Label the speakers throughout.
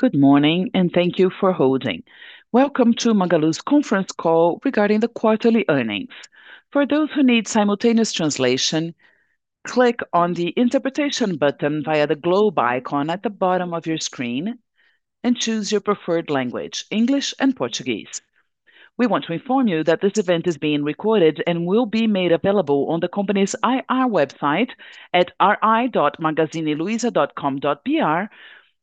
Speaker 1: Good morning, and thank you for holding. Welcome to Magalu's Conference Call regarding the Quarterly Earnings. For those who need simultaneous translation, click on the interpretation button via the globe icon at the bottom of your screen, and choose your preferred language, English and Portuguese. We want to inform that this event is being recorded and will be made available on the company's IR website at ri.magazineluiza.com.br,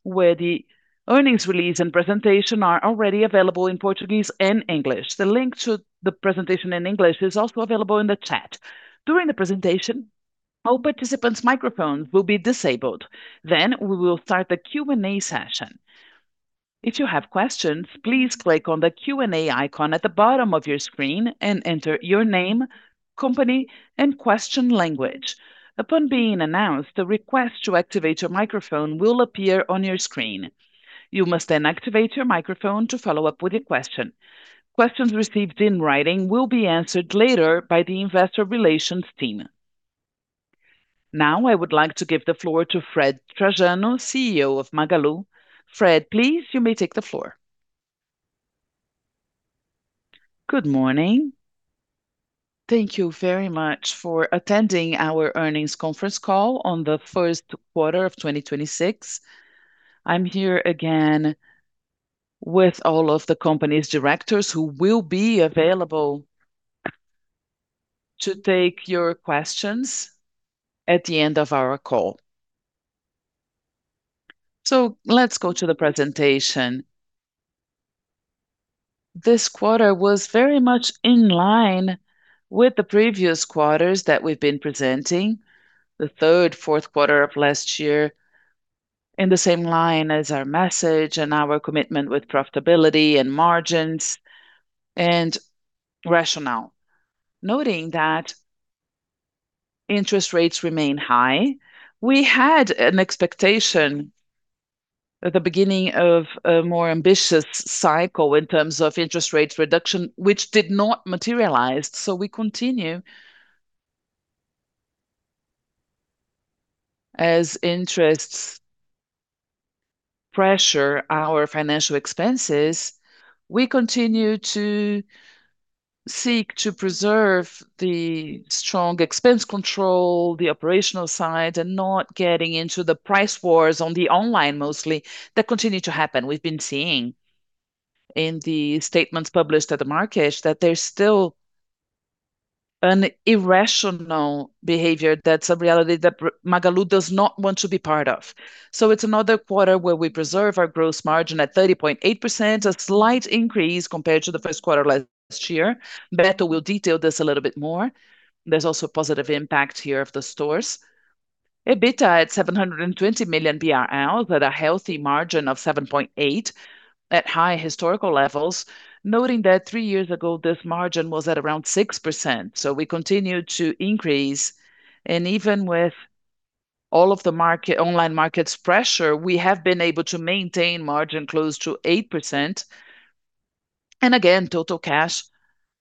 Speaker 1: where the earnings release and presentation are already available in Portuguese and English. The link to the presentation in English is also available in the chat. During the presentation, all participants' microphones will be disabled, then we will start the Q&A session. If you have questions, please click on the Q&A icon at the bottom of your screen and enter your name, company, and question language. Upon being announced, the request to activate your microphone will appear on your screen. You must then activate your microphone to follow up with your question. Questions received in writing will be answered later by the investor relations team. I would like to give the floor to Frederico Trajano, CEO of Magalu. Frederico, please, you may take the floor
Speaker 2: Good morning. Thank you very much for attending our earnings conference call on the first quarter of 2026. I'm here again with all of the company's directors who will be available to take your questions at the end of our call. Let's go to the presentation. This quarter was very much in line with the previous quarters that we've been presenting, the third, fourth quarter of last year, in the same line as our message and our commitment with profitability and margins and rationale. Noting that interest rates remain high, we had an expectation at the beginning of a more ambitious cycle in terms of interest rates reduction, which did not materialize, so we continue. As interest rates pressure our financial expenses, we continue to seek to preserve the strong expense control, the operational side, and not getting into the price wars on the online mostly that continue to happen. We've been seeing in the statements published at the market that there's still an irrational behavior that's a reality that Magalu does not want to be part of. It's another quarter where we preserve our gross margin at 30.8%, a slight increase compared to the first quarter last year. Beto will detail this a little bit more. There's also a positive impact here of the stores. EBITDA at 720 million BRL, but a healthy margin of 7.8% at high historical levels. Noting that three years ago, this margin was at around 6%, so we continue to increase. Even with all of the market, online market's pressure, we have been able to maintain margin close to 8%. Again, total cash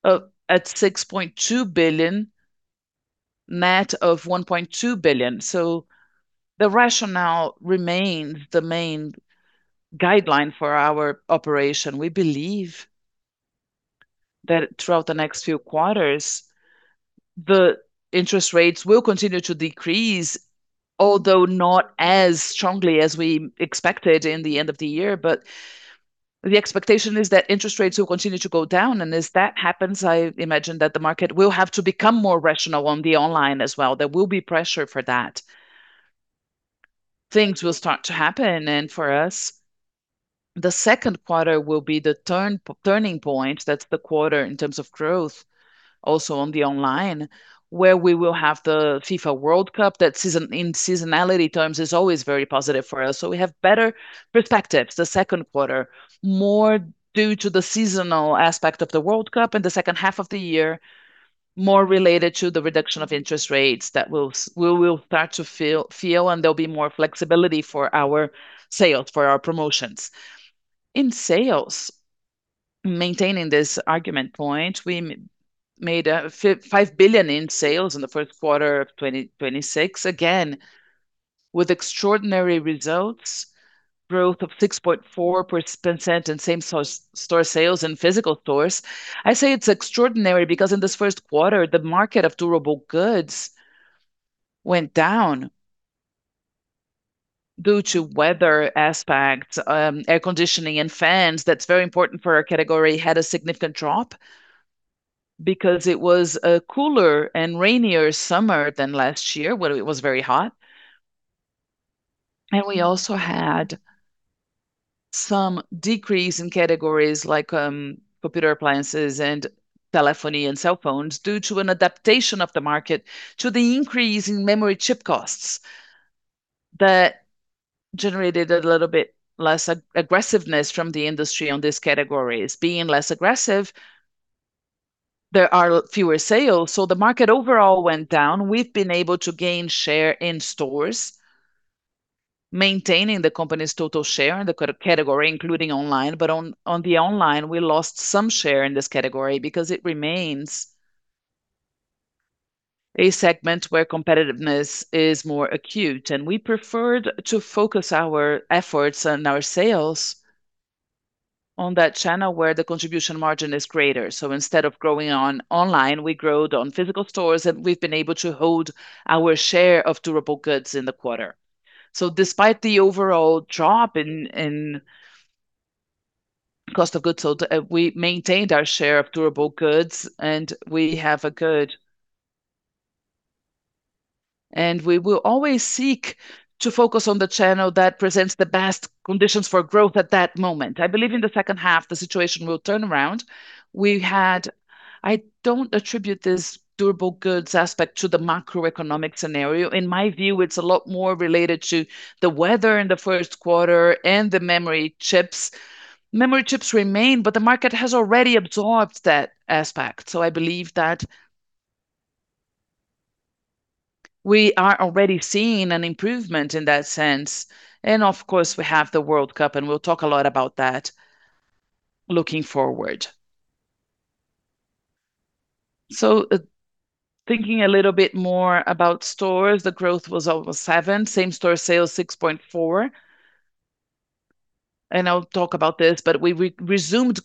Speaker 2: at 6.2 billion, net of 1.2 billion. The rationale remains the main guideline for our operation. We believe that throughout the next few quarters, the interest rates will continue to decrease, although not as strongly as we expected in the end of the year. The expectation is that interest rates will continue to go down, and as that happens, I imagine that the market will have to become more rational on the online as well. There will be pressure for that. Things will start to happen. For us, the second quarter will be the turning point. That's the quarter in terms of growth also on the online, where we will have the FIFA World Cup. That season, in seasonality terms, is always very positive for us. We have better perspectives the second quarter, more due to the seasonal aspect of the World Cup, and the second half of the year, more related to the reduction of interest rates that we will start to feel. There'll be more flexibility for our sales, for our promotions. In sales, maintaining this argument point, we made 5 billion in sales in the first quarter of 2026, again with extraordinary results, growth of 6.4% in same store sales in physical stores. I say it's extraordinary because in this first quarter, the market of durable goods went down due to weather aspect. Air conditioning and fans, that's very important for our category, had a significant drop because it was a cooler and rainier summer than last year, where it was very hot. We also had some decrease in categories like computer appliances and telephony and cell phones due to an adaptation of the market to the increase in memory chip costs that generated a little bit less aggressiveness from the industry on these categories. Being less aggressive, there are fewer sales. The market overall went down. We've been able to gain share in stores, maintaining the company's total share in the category, including online. On the online, we lost some share in this category because it remains a segment where competitiveness is more acute. We preferred to focus our efforts and our sales on that channel where the contribution margin is greater. Instead of growing on online, we growed on physical stores, and we've been able to hold our share of durable goods in the quarter. Despite the overall drop in cost of goods sold, we maintained our share of durable goods. We will always seek to focus on the channel that presents the best conditions for growth at that moment. I believe in the second half, the situation will turn around. I don't attribute this durable goods aspect to the macroeconomic scenario. In my view, it's a lot more related to the weather in the first quarter and the memory chips. Memory chips remain, the market has already absorbed that aspect. I believe that we are already seeing an improvement in that sense. Of course, we have the World Cup, and we'll talk a lot about that looking forward. Thinking a little bit more about stores, the growth was over 7, same-store sales 6.4. I'll talk about this, but we resumed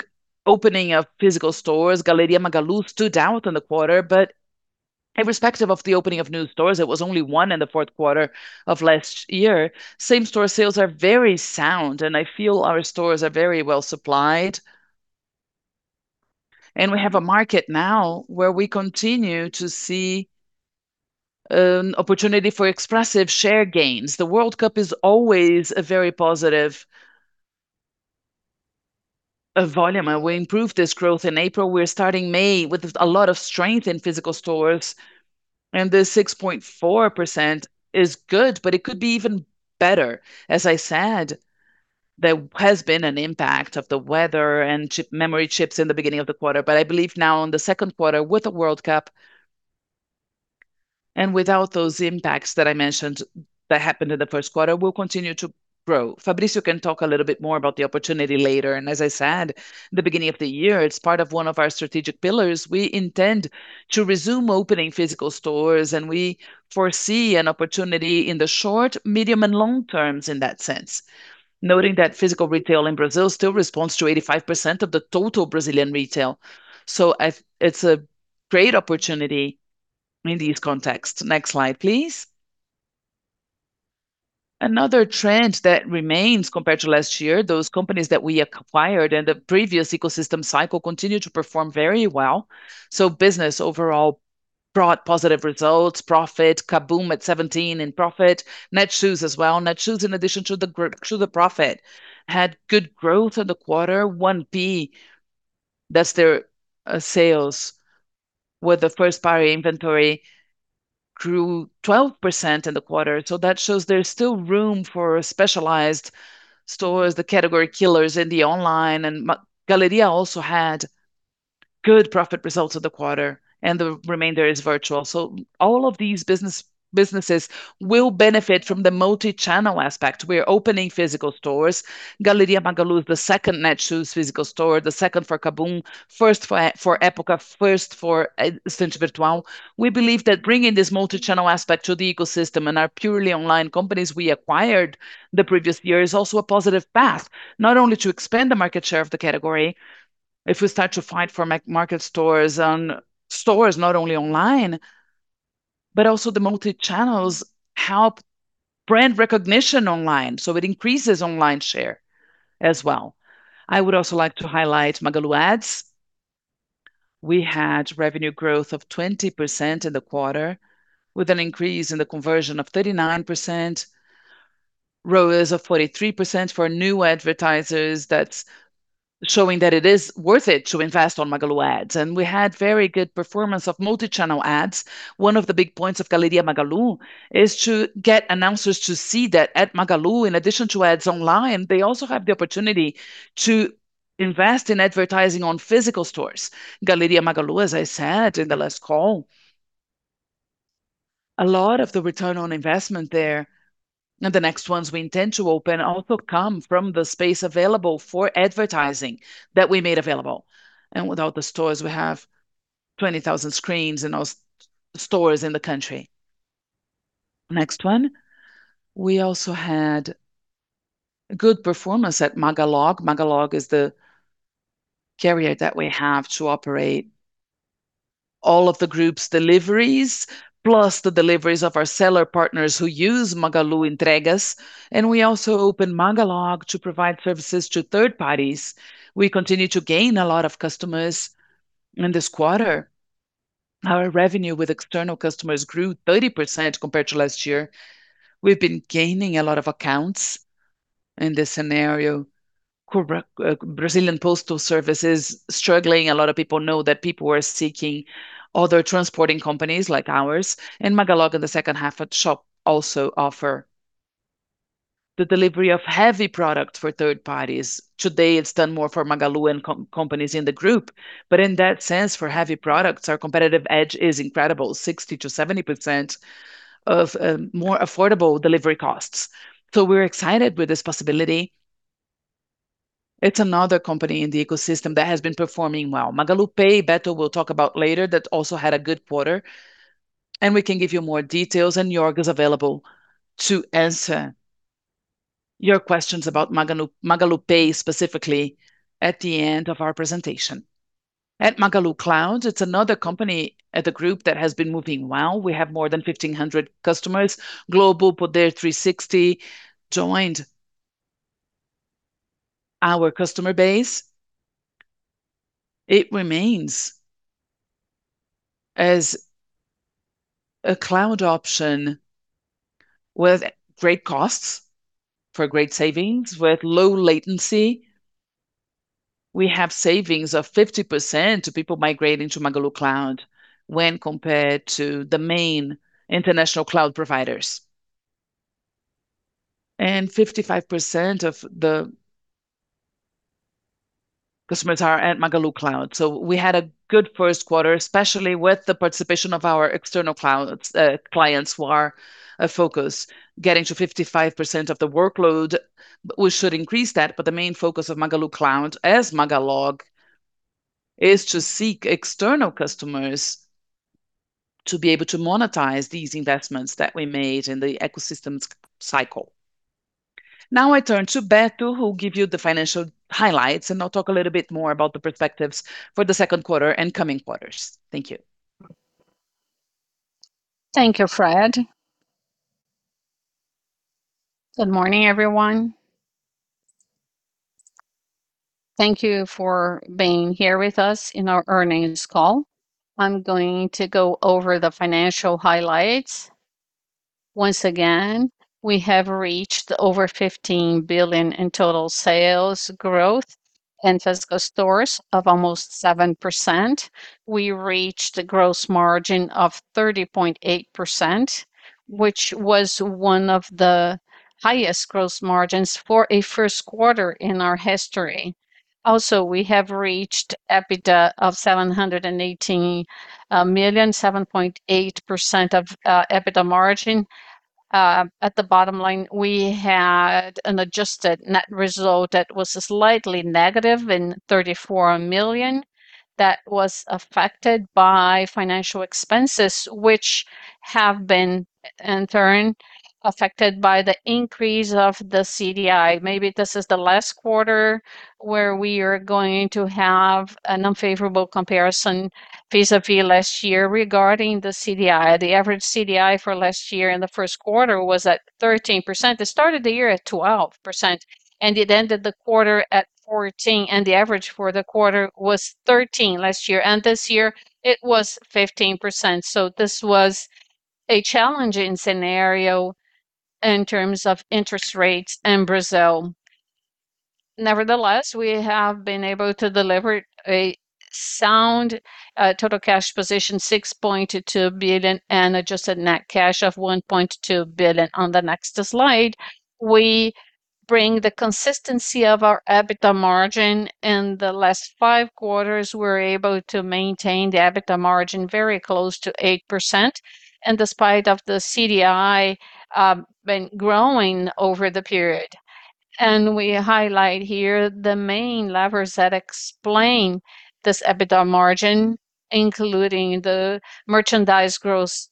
Speaker 2: opening of physical stores. Galeria Magalu stood out in the quarter. Irrespective of the opening of new stores, it was only 1 in the fourth quarter of last year. Same-store sales are very sound, and I feel our stores are very well supplied. We have a market now where we continue to see an opportunity for expressive share gains. The World Cup is always a very positive volume, and we improved this growth in April. We're starting May with a lot of strength in physical stores. The 6.4% is good, but it could be even better. As I said, there has been an impact of the weather and chip, memory chips in the beginning of the quarter. I believe now in the second quarter with the World Cup and without those impacts that I mentioned that happened in the first quarter, we'll continue to grow. Fabricio can talk a little bit more about the opportunity later. As I said, the beginning of the year, it's part of one of our strategic pillars. We intend to resume opening physical stores, and we foresee an opportunity in the short, medium, and long terms in that sense. Noting that physical retail in Brazil still responds to 85% of the total Brazilian retail. It's a great opportunity in this context. Next slide, please. Another trend that remains compared to last year, those companies that we acquired in the previous ecosystem cycle continue to perform very well. Business overall brought positive results. Profit, KaBuM! at 17% in profit. Netshoes as well. Netshoes, in addition to the profit, had good growth in the quarter. 1P, that's their sales, where the first party inventory grew 12% in the quarter. That shows there's still room for specialized stores, the category killers in the online. Galeria Magalu also had good profit results of the quarter, and the remainder is virtual. All of these businesses will benefit from the multi-channel aspect. We're opening physical stores. Galeria Magalu is the second Netshoes physical store, the second for KaBuM!, first for Época Cosméticos, first for Centro Virtual. We believe that bringing this multi-channel aspect to the ecosystem and our purely online companies we acquired the previous year is also a positive path, not only to expand the market share of the category if we start to fight for market stores on stores, not only online, but also the multi-channels help brand recognition online, so it increases online share as well. I would also like to highlight Magalu Ads. We had revenue growth of 20% in the quarter with an increase in the conversion of 39%, ROAS of 43% for new advertisers. That's showing that it is worth it to invest on Magalu Ads. We had very good performance of multi-channel ads. One of the big points of Galeria Magalu is to get advertisers to see that at Magalu, in addition to ads online, they also have the opportunity to invest in advertising on physical stores. Galeria Magalu, as I said in the last call, a lot of the return on investment there, and the next ones we intend to open, also come from the space available for advertising that we made available. Without the stores, we have 20,000 screens in those stores in the country. Next one. We also had good performance at Magalog. Magalog is the carrier that we have to operate all of the group's deliveries, plus the deliveries of our seller partners who use Magalu Entregas. We also opened Magalog to provide services to third parties. We continue to gain a lot of customers in this quarter. Our revenue with external customers grew 30% compared to last year. We've been gaining a lot of accounts in this scenario. Brazilian Postal Service is struggling. A lot of people know that people are seeking other transporting companies like ours. Magalog in the second half at shop also offer the delivery of heavy products for third parties. Today, it's done more for Magalu and companies in the group. In that sense, for heavy products, our competitive edge is incredible, 60%-70% of more affordable delivery costs. We're excited with this possibility. It's another company in the ecosystem that has been performing well. MagaluPay, Beto will talk about later, that also had a good quarter, and we can give you more details, and Jörg is available to answer your questions about MagaluPay specifically at the end of our presentation. At Magalu Cloud, it's another company at the group that has been moving well. We have more than 1,500 customers. Global put their Three Sixty, joined our customer base. It remains as a cloud option with great costs, for great savings, with low latency. We have savings of 50% to people migrating to Magalu Cloud when compared to the main international cloud providers. 55% of the customers are at Magalu Cloud. We had a good first quarter, especially with the participation of our external clouds, clients who are a focus, getting to 55% of the workload. We should increase that, but the main focus of Magalu Cloud as Magalog is to seek external customers to be able to monetize these investments that we made in the ecosystems cycle. I turn to Beto, who'll give you the financial highlights, and I'll talk a little bit more about the perspectives for the second quarter and coming quarters. Thank you.
Speaker 3: Thank you, Fred. Good morning, everyone. Thank you for being here with us in our earnings call. I'm going to go over the financial highlights. Once again, we have reached over 15 billion in total sales growth and physical stores of almost 7%. We reached a gross margin of 30.8%, which was one of the highest gross margins for a first quarter in our history. Also, we have reached EBITDA of 718 million, 7.8% of EBITDA margin. At the bottom line, we had an adjusted net result that was slightly negative in 34 million. That was affected by financial expenses, which have been, in turn, affected by the increase of the CDI. Maybe this is the last quarter where we are going to have an unfavorable comparison vis-a-vis last year regarding the CDI. The average CDI for last year in the first quarter was at 13%. It started the year at 12%, it ended the quarter at 14%, the average for the quarter was 13% last year. This year, it was 15%. This was a challenging scenario in terms of interest rates in Brazil. Nevertheless, we have been able to deliver a sound total cash position, 6.2 billion and adjusted net cash of 1.2 billion. On the next slide, we bring the consistency of our EBITDA margin. In the last five quarters, we're able to maintain the EBITDA margin very close to 8%, despite of the CDI been growing over the period. We highlight here the main levers that explain this EBITDA margin, including the merchandise gross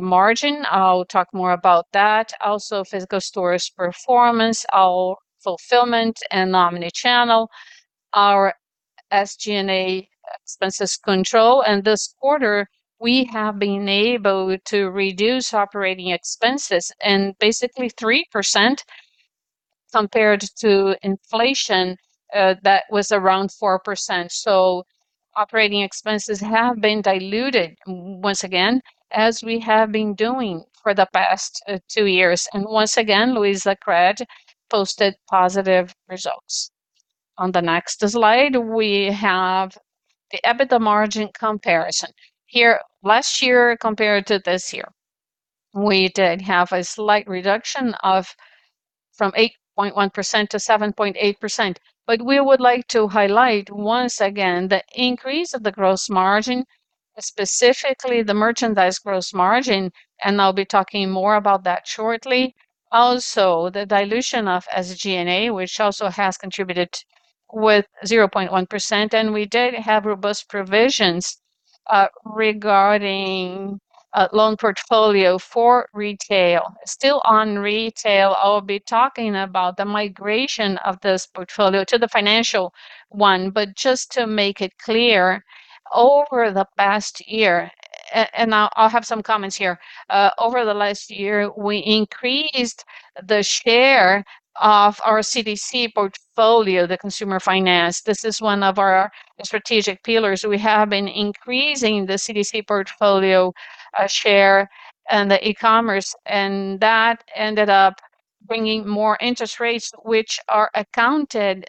Speaker 3: margin. I'll talk more about that. Physical stores performance, our fulfillment and omni-channel, our SG&A expenses control. This quarter, we have been able to reduce operating expenses in basically 3% compared to inflation that was around 4%. Operating expenses have been diluted once again, as we have been doing for the past 2 years. Once again, Luizacred posted positive results. On the next slide, we have the EBITDA margin comparison. Here, last year compared to this year, we did have a slight reduction from 8.1%-7.8%. We would like to highlight once again the increase of the gross margin, specifically the merchandise gross margin, and I'll be talking more about that shortly. The dilution of SG&A, which also has contributed with 0.1%, and we did have robust provisions regarding loan portfolio for retail. Still on retail, I'll be talking about the migration of this portfolio to the financial one. Just to make it clear, over the past year. Over the last year, we increased the share of our CDC portfolio, the consumer finance. This is one of our strategic pillars. We have been increasing the CDC portfolio share and the e-commerce, and that ended up bringing more interest rates, which are accounted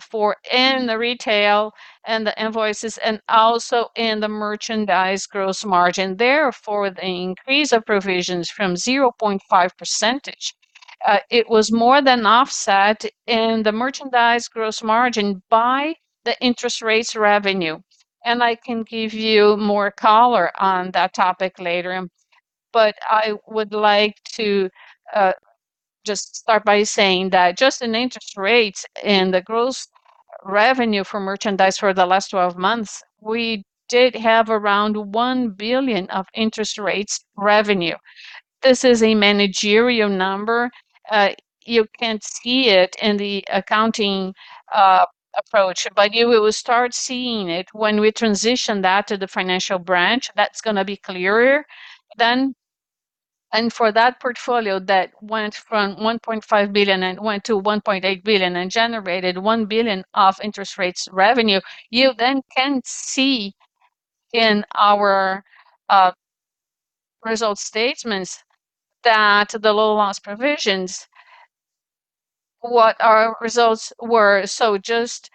Speaker 3: for in the retail and the invoices and also in the merchandise gross margin. Therefore, the increase of provisions from 0.5%, it was more than offset in the merchandise gross margin by the interest rates revenue. I can give you more color on that topic later. I would like to just start by saying that just in interest rates and the gross revenue for merchandise for the last 12 months, we did have around 1 billion of interest rates revenue. This is a managerial number. You can see it in the accounting approach, but you will start seeing it when we transition that to the financial branch. That's gonna be clearer then. For that portfolio that went from 1.5 billion and went to 1.8 billion and generated 1 billion of interest rates revenue, you then can see in our results statements that the low loss provisions, what our results were. Just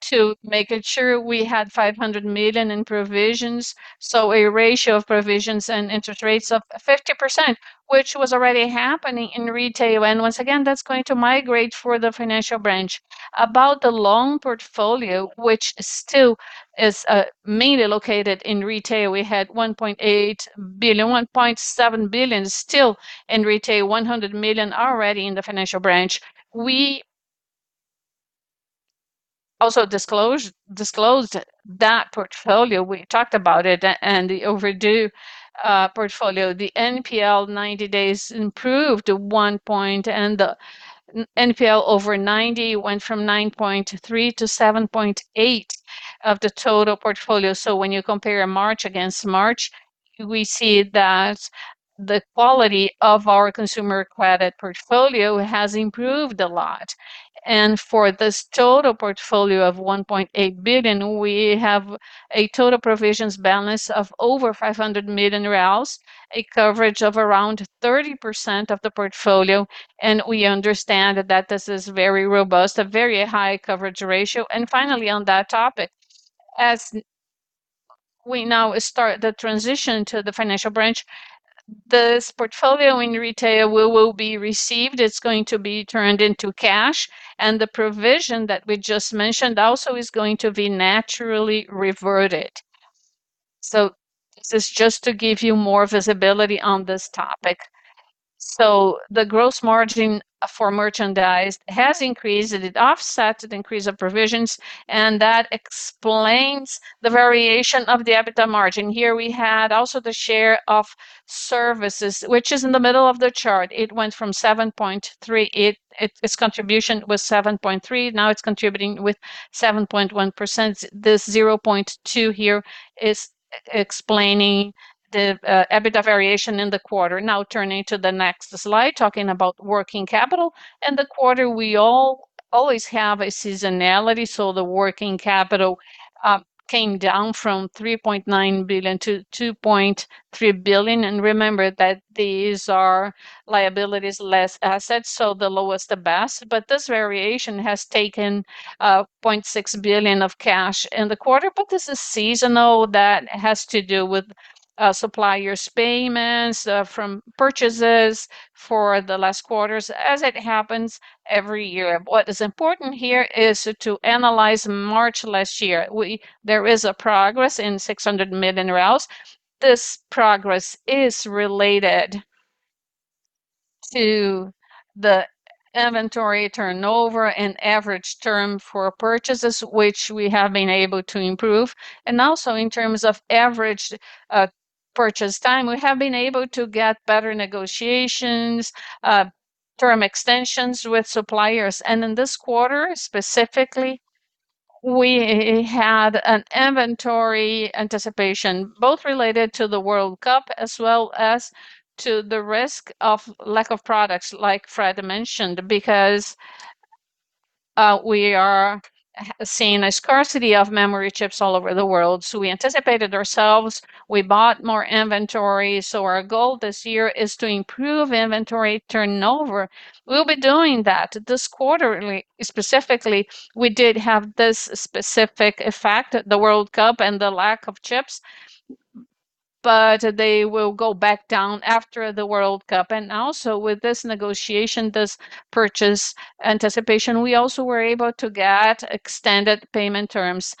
Speaker 3: to make it sure, we had 500 million in provisions, a ratio of provisions and interest rates of 50%, which was already happening in retail. Once again, that's going to migrate for the financial branch. About the loan portfolio, which still is mainly located in retail, we had 1.8 billion. 1.7 billion still in retail, 100 million already in the financial branch. We also disclosed that portfolio. We talked about it and the overdue portfolio. The NPL 90 days improved 1 percentage point, and the NPL over 90 went from 9.3%-7.8% of the total portfolio. When you compare March against March, we see that the quality of our consumer credit portfolio has improved a lot. For this total portfolio of 1.8 billion, we have a total provisions balance of over 500 million reais, a coverage of around 30% of the portfolio. We understand that this is very robust, a very high coverage ratio. Finally, on that topic, as we now start the transition to the financial branch, this portfolio in retail will be received. It's going to be turned into cash. The provision that we just mentioned also is going to be naturally reverted. This is just to give you more visibility on this topic. The gross margin for merchandise has increased. It offsets the increase of provisions. That explains the variation of the EBITDA margin. Here we had also the share of services, which is in the middle of the chart. It went from 7.3%. Its contribution was 7.3%, now it's contributing with 7.1%. This 0.2% here is explaining the EBITDA variation in the quarter. Turning to the next slide, talking about working capital. In the quarter, we always have a seasonality, so the working capital came down from 3.9 billion-2.3 billion. Remember that these are liabilities less assets, so the lowest, the best. This variation has taken 0.6 billion of cash in the quarter. This is seasonal. That has to do with suppliers' payments from purchases for the last quarters as it happens every year. What is important here is to analyze March last year. There is a progress in 600 million. This progress is related to the inventory turnover and average term for purchases, which we have been able to improve. Also in terms of average purchase time, we have been able to get better negotiations, term extensions with suppliers. In this quarter specifically, we had an inventory anticipation both related to the World Cup as well as to the risk of lack of products, like Fred mentioned, because we are seeing a scarcity of memory chips all over the world. We anticipated ourselves. We bought more inventory. Our goal this year is to improve inventory turnover. We'll be doing that. This quarter specifically, we did have this specific effect, the World Cup and the lack of chips, but they will go back down after the World Cup. Also with this negotiation, this purchase anticipation, we also were able to get extended payment terms.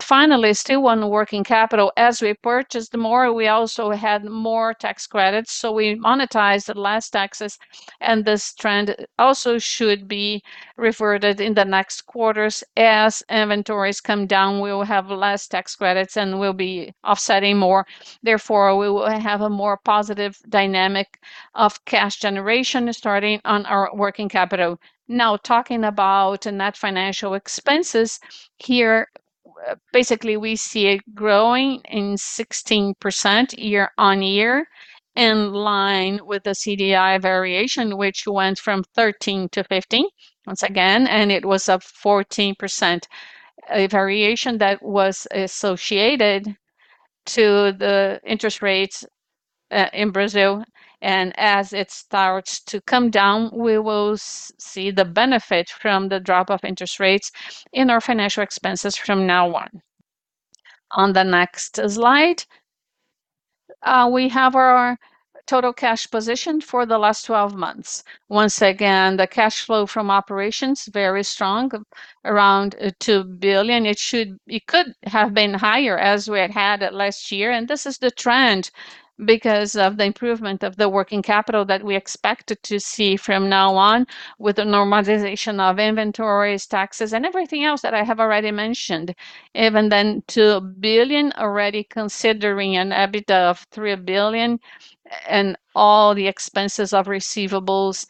Speaker 3: Finally, still on working capital, as we purchased more, we also had more tax credits, so we monetized the last taxes, and this trend also should be reverted in the next quarters. As inventories come down, we will have less tax credits, and we'll be offsetting more. Therefore, we will have a more positive dynamic of cash generation starting on our working capital. Now talking about net financial expenses, here, basically we see it growing in 16% year-over-year, in line with the CDI variation, which went from 13%-15% once again, and it was up 14%. A variation that was associated to the interest rates in Brazil, as it starts to come down, we will see the benefit from the drop of interest rates in our financial expenses from now on. On the next slide. We have our total cash position for the last 12 months. Once again, the cash flow from operations, very strong, around 2 billion. It could have been higher as we had it last year. This is the trend because of the improvement of the working capital that we expected to see from now on with the normalization of inventories, taxes, and everything else that I have already mentioned. Even then, 2 billion already considering an EBITDA of 3 billion and all the expenses of receivables,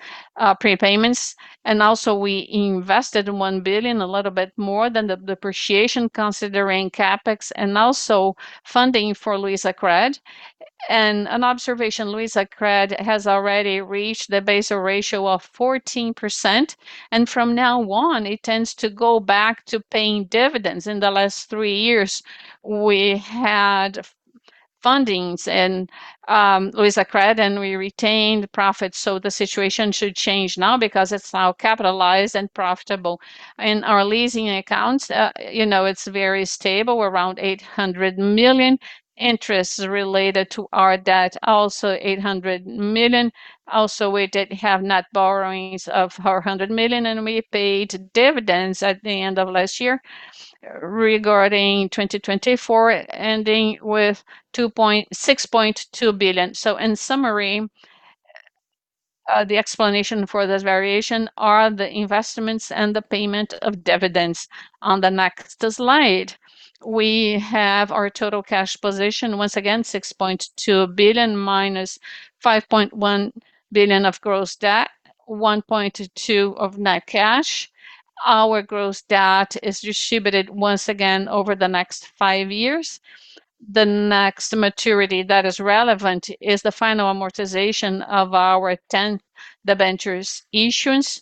Speaker 3: prepayments. Also we invested 1 billion, a little bit more than the depreciation considering CapEx and also funding for Luizacred. An observation, Luizacred has already reached the Basel ratio of 14%, and from now on it tends to go back to paying dividends. In the last 3 years, we had fundings in Luizacred, and we retained profits. The situation should change now because it's now capitalized and profitable. In our leasing accounts, you know, it's very stable. We're around 800 million. Interests related to our debt, also 800 million. Also, we did have net borrowings of 400 million, and we paid dividends at the end of last year regarding 2024 ending with 6.2 billion. In summary, the explanation for this variation are the investments and the payment of dividends. On the next slide, we have our total cash position, once again, 6.2 billion minus 5.1 billion of gross debt, 1.2 billion of net cash. Our gross debt is distributed once again over the next 5 years. The next maturity that is relevant is the final amortization of our 10th debentures issuance,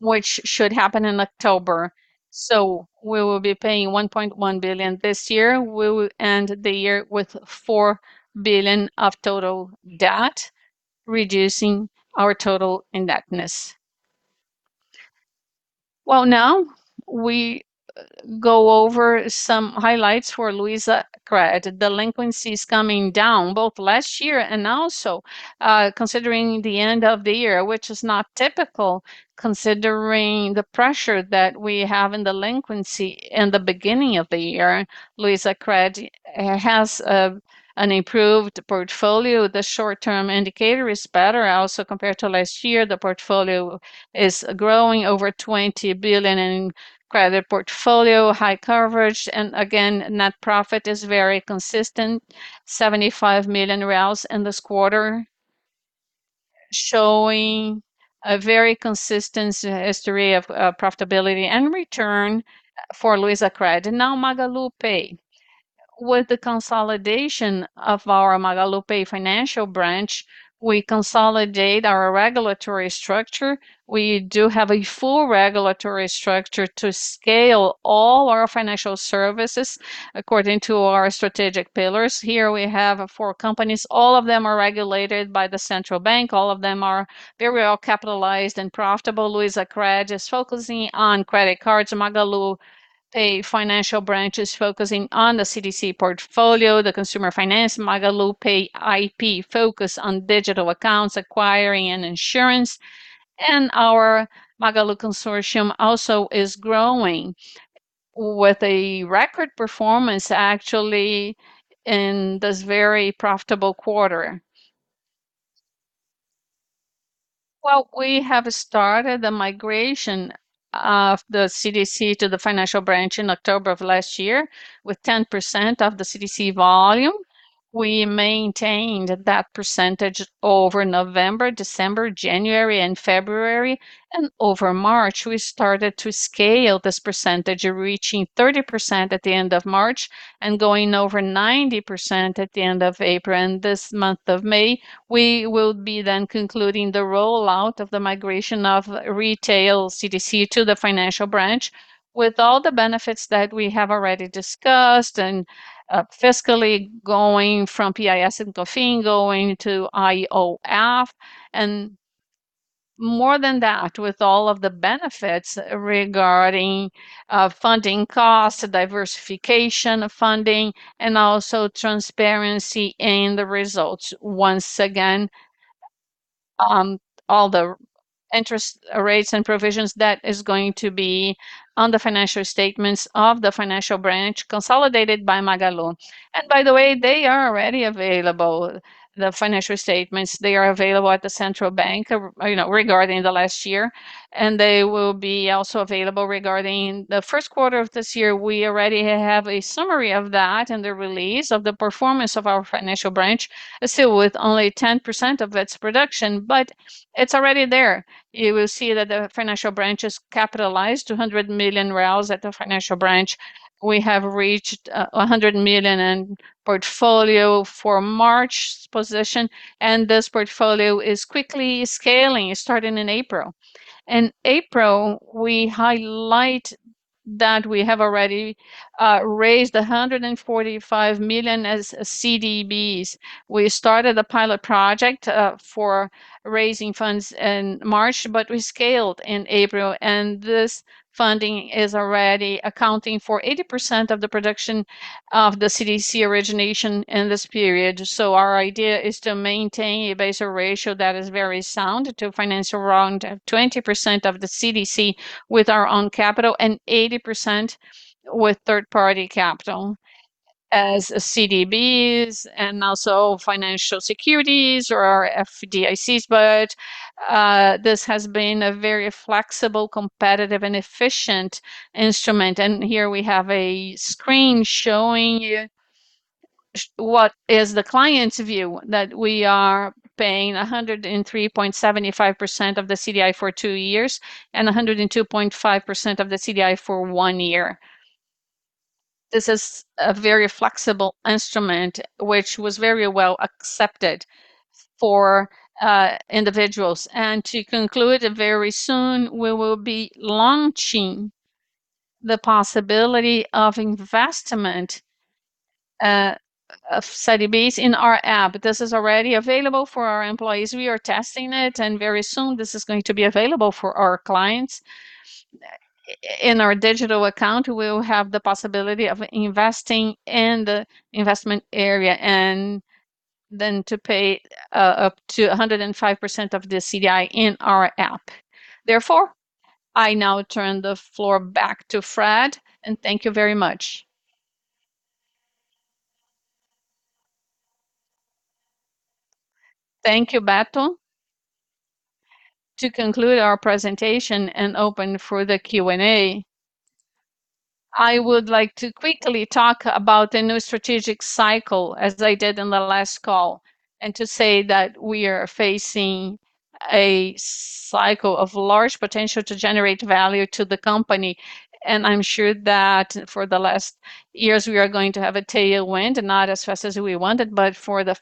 Speaker 3: which should happen in October. We will be paying 1.1 billion this year. We will end the year with 4 billion of total debt, reducing our total indebtedness. Well, now we go over some highlights for Luizacred. Delinquency is coming down both last year and also, considering the end of the year, which is not typical considering the pressure that we have in delinquency in the beginning of the year. Luizacred has an improved portfolio. The short-term indicator is better also compared to last year. The portfolio is growing over 20 billion in credit portfolio, high coverage. Net profit is very consistent, 75 million in this quarter, showing a very consistent history of profitability and return for Luizacred. Now MagaluPay. With the consolidation of our MagaluPay Financial branch, we consolidate our regulatory structure. We do have a full regulatory structure to scale all our financial services according to our strategic pillars. Here we have four companies. All of them are regulated by the Central Bank. All of them are very well capitalized and profitable. Luizacred is focusing on credit cards. MagaluPay Financial branch is focusing on the CDC portfolio, the consumer finance. MagaluPay IP focus on digital accounts acquiring and insurance. Our Consórcio Magalu also is growing with a record performance actually in this very profitable quarter. Well, we have started the migration of the CDC to the financial branch in October of last year with 10% of the CDC volume. We maintained that percentage over November, December, January, and February. Over March, we started to scale this percentage, reaching 30% at the end of March and going over 90% at the end of April. This month of May, we will be then concluding the rollout of the migration of retail CDC to the financial branch with all the benefits that we have already discussed, fiscally going from PIS and COFINS going to IOF. More than that, with all of the benefits regarding funding costs, diversification of funding, and also transparency in the results. Once again, all the interest rates and provisions, that is going to be on the financial statements of the financial branch consolidated by Magalu. By the way, they are already available, the financial statements. They are available at the Central Bank, you know, regarding the last year, and they will be also available regarding the first quarter of this year. We already have a summary of that and the release of the performance of our financial branch still with only 10% of its production, but it's already there. You will see that the financial branch is capitalized, 200 million reais at the financial branch. We have reached 100 million in portfolio for March position, and this portfolio is quickly scaling starting in April. In April, we highlight the That we have already raised 145 million as CDBs. We started a pilot project for raising funds in March, but we scaled in April, and this funding is already accounting for 80% of the production of the CDC origination in this period. Our idea is to maintain a Basel ratio that is very sound to finance around 20% of the CDC with our own capital and 80% with third-party capital as CDBs and also financial securities or our FIDCs. This has been a very flexible, competitive and efficient instrument. Here we have a screen showing you what is the client's view, that we are paying 103.75% of the CDI for 2 years and 102.5% of the CDI for 1 year. This is a very flexible instrument, which was very well accepted for individuals. To conclude, very soon we will be launching the possibility of investment of CDBs in our app. This is already available for our employees. We are testing it, and very soon this is going to be available for our clients. In our digital account, we will have the possibility of investing in the investment area and then to pay up to 105% of the CDI in our app. I now turn the floor back to Fred, and thank you very much.
Speaker 2: Thank you, Beto. To conclude our presentation and open for the Q&A, I would like to quickly talk about the new strategic cycle as I did in the last call, and to say that we are facing a cycle of large potential to generate value to the company. I'm sure that for the last years we are going to have a tailwind, not as fast as we wanted, but for the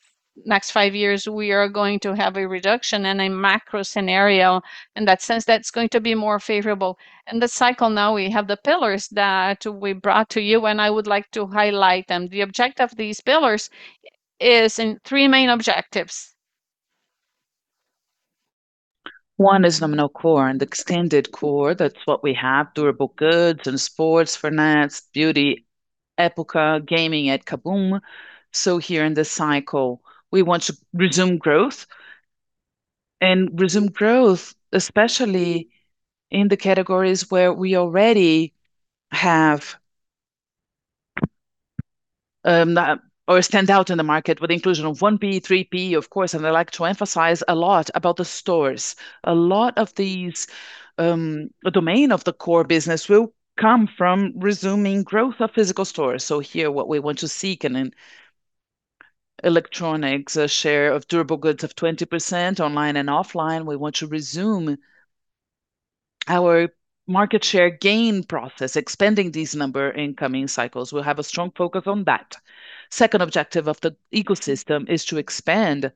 Speaker 2: next 5 years we are going to have a reduction in a macro scenario. In that sense, that's going to be more favorable. In this cycle now we have the pillars that we brought to you, and I would like to highlight them. The object of these pillars is in 3 main objectives. 1 is the core and extended core. That's what we have. Durable goods and sports, finance, beauty, Época, gaming at KaBuM!. Here in this cycle, we want to resume growth, and resume growth especially in the categories where we already have or stand out in the market with inclusion of 1P, 3P of course. I'd like to emphasize a lot about the stores. A lot of these, the domain of the core business will come from resuming growth of physical stores. Here what we want to seek in an electronics, a share of durable goods of 20% online and offline. We want to resume our market share gain process, expanding this number in coming cycles. We'll have a strong focus on that. Second objective of the ecosystem is to expand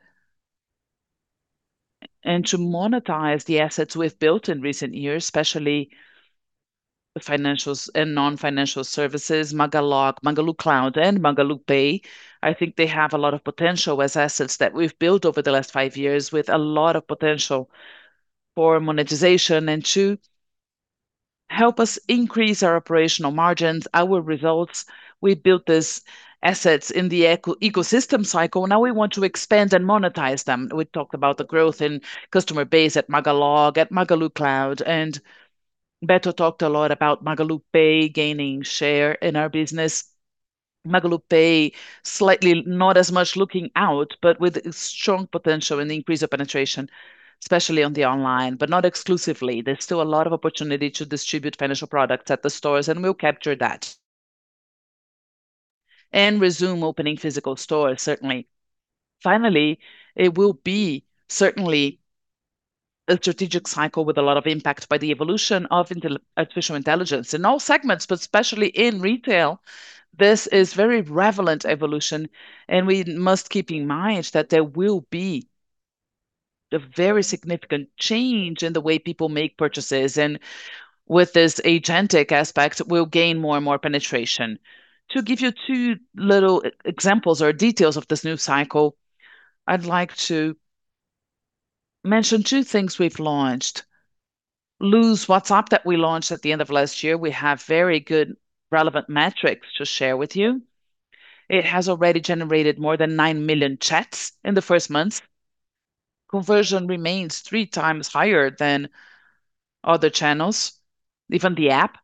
Speaker 2: and to monetize the assets we've built in recent years, especially financials and non-financial services, Magalog, Magalu Cloud and MagaluPay. I think they have a lot of potential as assets that we've built over the last five years with a lot of potential for monetization, and to help us increase our operational margins, our results. We built these assets in the ecosystem cycle. Now we want to expand and monetize them. We talked about the growth in customer base at Magalog, at Magalu Cloud. Beto talked a lot about MagaluPay gaining share in our business. MagaluPay slightly not as much looking out. With strong potential in the increase of penetration, especially on the online, but not exclusively. There's still a lot of opportunity to distribute financial products at the stores. We'll capture that. [And] resume opening physical stores, certainly. Finally, it will be certainly a strategic cycle with a lot of impact by the evolution of artificial intelligence. In all segments. Especially in retail, this is very relevant evolution. We must keep in mind that there will be a very significant change in the way people make purchases. With this agentic aspect, we'll gain more and more penetration. To give you 2 little e-examples or details of this new cycle, I'd like to mention 2 things we've launched. WhatsApp da Lu that we launched at the end of last year. We have very good relevant metrics to share with you. It has already generated more than 9 million chats in the first months. Conversion remains 3 times higher than other channels, even the app.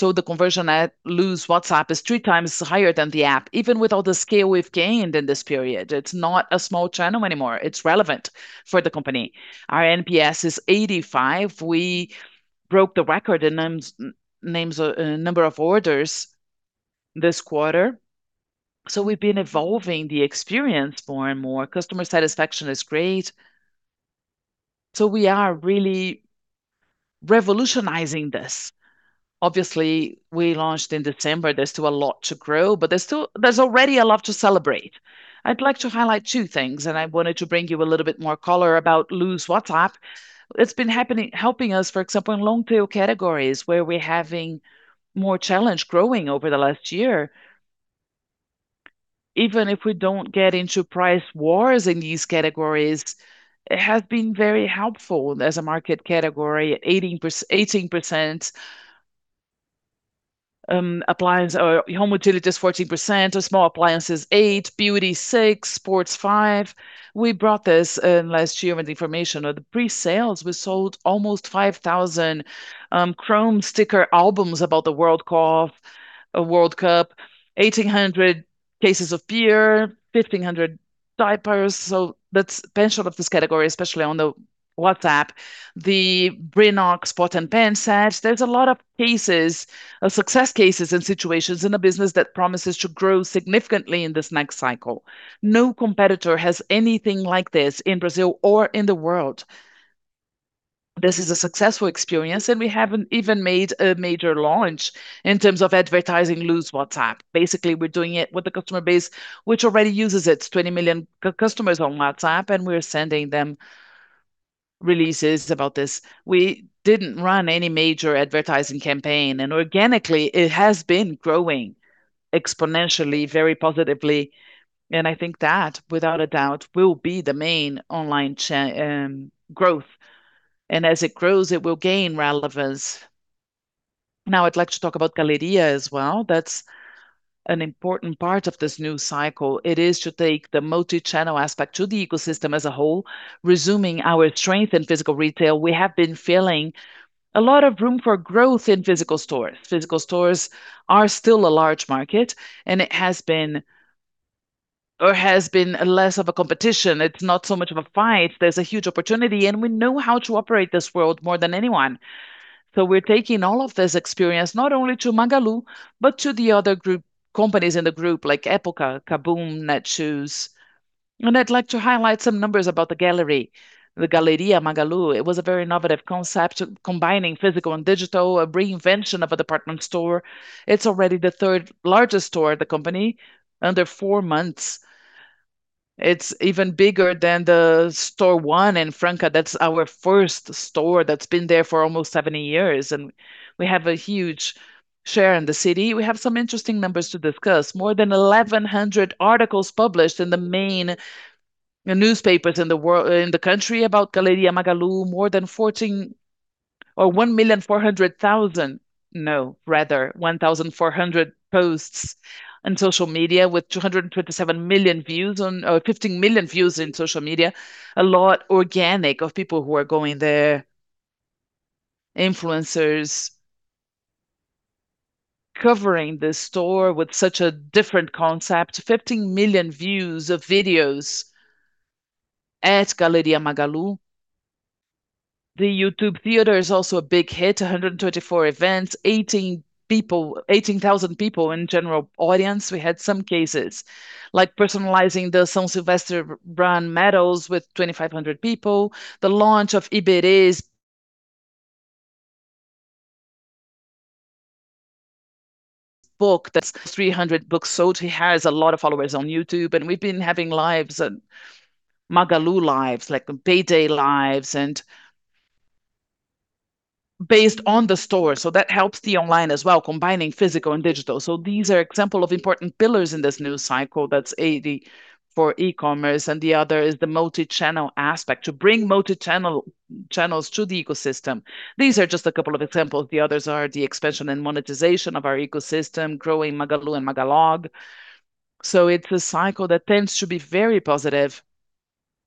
Speaker 2: The conversion at WhatsApp da Lu is 3x higher than the app, even with all the scale we've gained in this period. It's not a small channel anymore. It's relevant for the company. Our NPS is 85. We broke the record in number of orders this quarter. We've been evolving the experience more and more. Customer satisfaction is great, so we are really revolutionizing this. Obviously, we launched in December. There's still a lot to grow, but there's already a lot to celebrate. I'd like to highlight two things. I wanted to bring you a little bit more color about Lu's WhatsApp. It's been helping us, for example, in long tail categories where we're having more challenge growing over the last year. Even if we don't get into price wars in these categories, it has been very helpful as a market category. 18%, appliance or home utilities 14%, small appliances 8%, beauty 6%, sports 5%. We brought this last year with information of the pre-sales. We sold almost 5,000 chrome sticker albums about the World Cup. 1,800 cases of beer, 1,500 diapers. That's benchmark of this category, especially on the WhatsApp. The Brinox pot and pan sets. There's a lot of cases, of success cases and situations in the business that promises to grow significantly in this next cycle. No competitor has anything like this in Brazil or in the world. This is a successful experience. We haven't even made a major launch in terms of advertising WhatsApp da Lu. Basically, we're doing it with a customer base which already uses its 20 million customers on WhatsApp. We're sending them releases about this. We didn't run any major advertising campaign. Organically it has been growing exponentially, very positively. I think that, without a doubt, will be the main online growth. As it grows, it will gain relevance. Now I'd like to talk about Galeria as well. That's an important part of this new cycle. It is to take the multi-channel aspect to the ecosystem as a whole, resuming our strength in physical retail. We have been feeling a lot of room for growth in physical stores. Physical stores are still a large market, it has been less of a competition. It's not so much of a fight. There's a huge opportunity, we know how to operate this world more than anyone. We're taking all of this experience not only to Magalu but to the other group, companies in the group, like Época, KaBuM!, Netshoes. I'd like to highlight some numbers about the gallery. The Galeria Magalu, it was a very innovative concept combining physical and digital, a reinvention of a department store. It's already the third-largest store of the company under four months. It's even bigger than the store 1 in Franca. That's our first store that's been there for almost 70 years. We have a huge share in the city. We have some interesting numbers to discuss. More than 1,100 articles published in the main newspapers in the country about Galeria Magalu. No, rather 1,400 posts on social media with 227 million views on 15 million views in social media. A lot organic of people who are going there. Influencers covering the store with such a different concept. 15 million views of videos at Galeria Magalu. The YouTube theater is also a big hit. 124 events. 18,000 people in general audience. We had some cases like personalizing the São Silvestre brand medals with 2,500 people. The launch of Iberê's book. That's 300 books sold. He has a lot of followers on YouTube, and we've been having lives and Magalu lives, like Payday lives and based on the store. That helps the online as well, combining physical and digital. These are example of important pillars in this new cycle. That's AD for e-commerce, and the other is the multi-channel aspect, to bring multi-channel, channels to the ecosystem. These are just a couple of examples. The others are the expansion and monetization of our ecosystem, growing Magalu and Magalog. It's a cycle that tends to be very positive.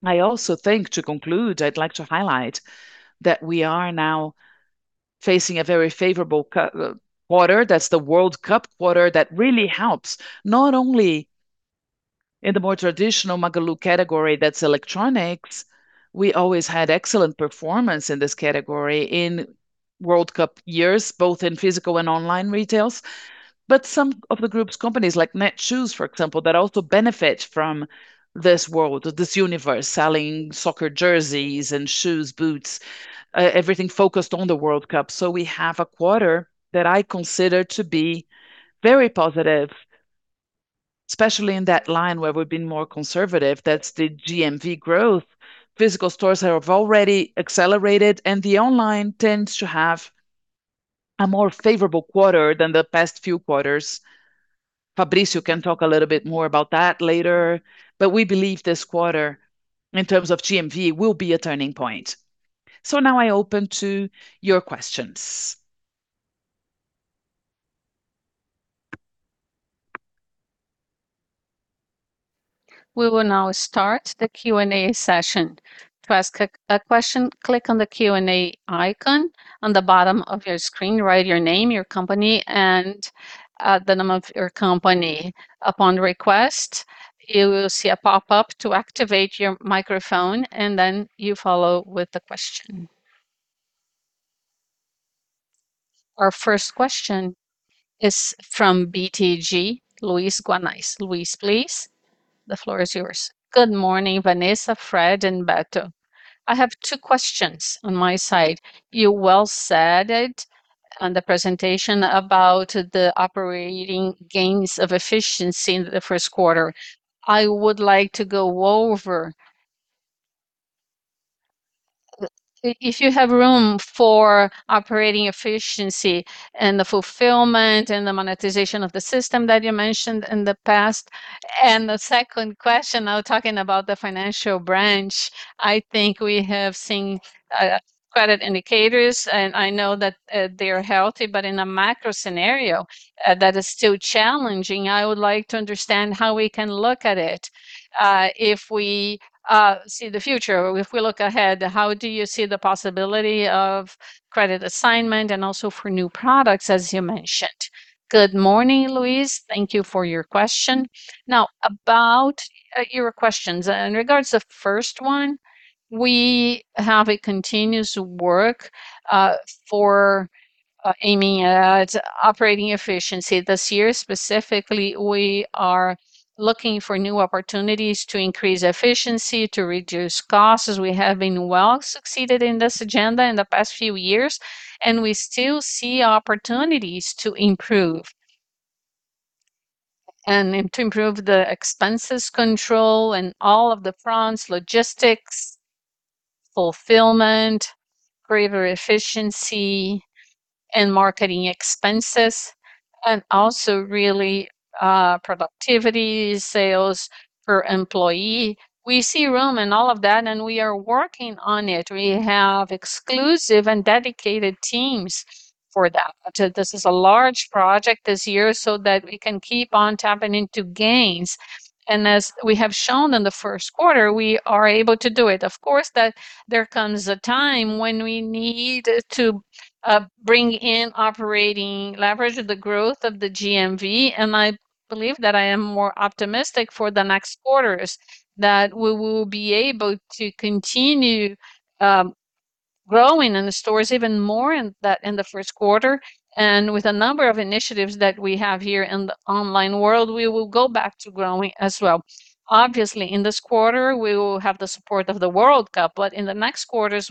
Speaker 2: I also think, to conclude, I'd like to highlight that we are now facing a very favorable quarter. That's the World Cup quarter that really helps, not only in the more traditional Magalu category, that's electronics. We always had excellent performance in this category in FIFA World Cup years, both in physical and online retail. Some of the group's companies, like Netshoes, for example, that also benefit from this world or this universe, selling soccer jerseys and shoes, boots, everything focused on the FIFA World Cup. We have a quarter that I consider to be very positive, especially in that line where we've been more conservative. That's the GMV growth. Physical stores have already accelerated, the online tends to have a more favorable quarter than the past few quarters. Fabricio can talk a little bit more about that later. We believe this quarter, in terms of GMV, will be a turning point. Now I open to your questions.
Speaker 1: We will now start the Q&A session. To ask a question, click on the Q&A icon on the bottom of your screen. Write your name, your company, and the name of your company. Upon request, you will see a pop-up to activate your microphone, and then you follow with the question. Our first question is from BTG, Luiz Guanais. Luiz, please, the floor is yours.
Speaker 4: Good morning, Vanessa, Fred, and Beto. I have 2 questions on my side. You well said it on the presentation about the operating gains of efficiency in the first quarter. I would like to go over if you have room for operating efficiency and the fulfillment and the monetization of the system that you mentioned in the past. The second question, I was talking about the financial branch. I think we have seen credit indicators, and I know that they are healthy, but in a macro scenario that is still challenging. I would like to understand how we can look at it, if we see the future. If we look ahead, how do you see the possibility of credit assignment and also for new products, as you mentioned?
Speaker 2: Good morning, Luiz. Thank you for your question. About your questions. In regards to the first one, we have a continuous work for aiming at operating efficiency. This year specifically, we are looking for new opportunities to increase efficiency, to reduce costs, as we have been well succeeded in this agenda in the past few years, and we still see opportunities to improve. To improve the expenses control in all of the fronts, logistics, fulfillment, greater efficiency and marketing expenses, and also really, productivity, sales per employee. We see room in all of that, and we are working on it. We have exclusive and dedicated teams for that. This is a large project this year, so that we can keep on tapping into gains. As we have shown in the first quarter, we are able to do it. Of course, that there comes a time when we need to bring in operating leverage of the growth of the GMV, I believe that I am more optimistic for the next quarters that we will be able to continue growing in the stores even more in the first quarter. With a number of initiatives that we have here in the online world, we will go back to growing as well. Obviously, in this quarter, we will have the support of the FIFA World Cup, but in the next quarters,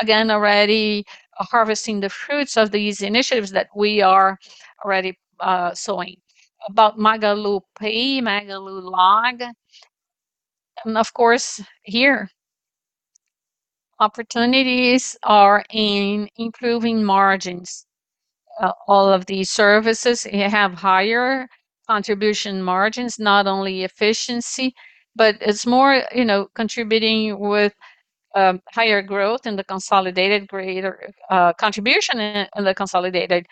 Speaker 2: again, already harvesting the fruits of these initiatives that we are already sowing. About MagaluPay, Magalog, and of course, here. Opportunities are in improving margins. All of these services have higher contribution margins, not only efficiency, but it's more, you know, contributing with higher growth in the consolidated greater contribution in the consolidated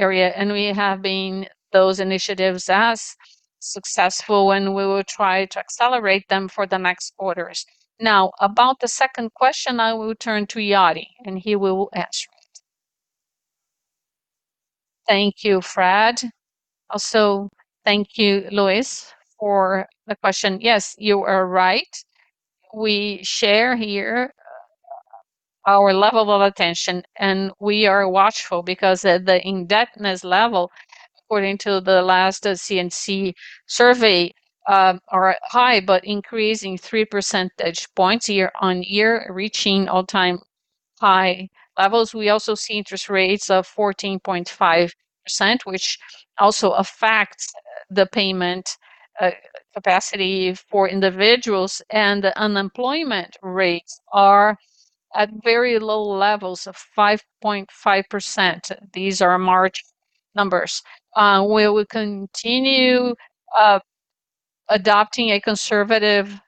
Speaker 2: area. We have been those initiatives as successful, and we will try to accelerate them for the next quarters. About the second question, I will turn to Jörg Friedemann, and he will answer it.
Speaker 5: Thank you, Frederico Trajano. Thank you, Luiz Guanais, for the question. Yes, you are right. We share here our level of attention, and we are watchful because the indebtedness level, according to the last CNC survey, are high, but increasing 3 percentage points year-over-year, reaching all-time high levels. We also see interest rates of 14.5%, which also affects the payment capacity for individuals. The unemployment rates are at very low levels of 5.5%. These are March numbers. We will continue adopting a conservative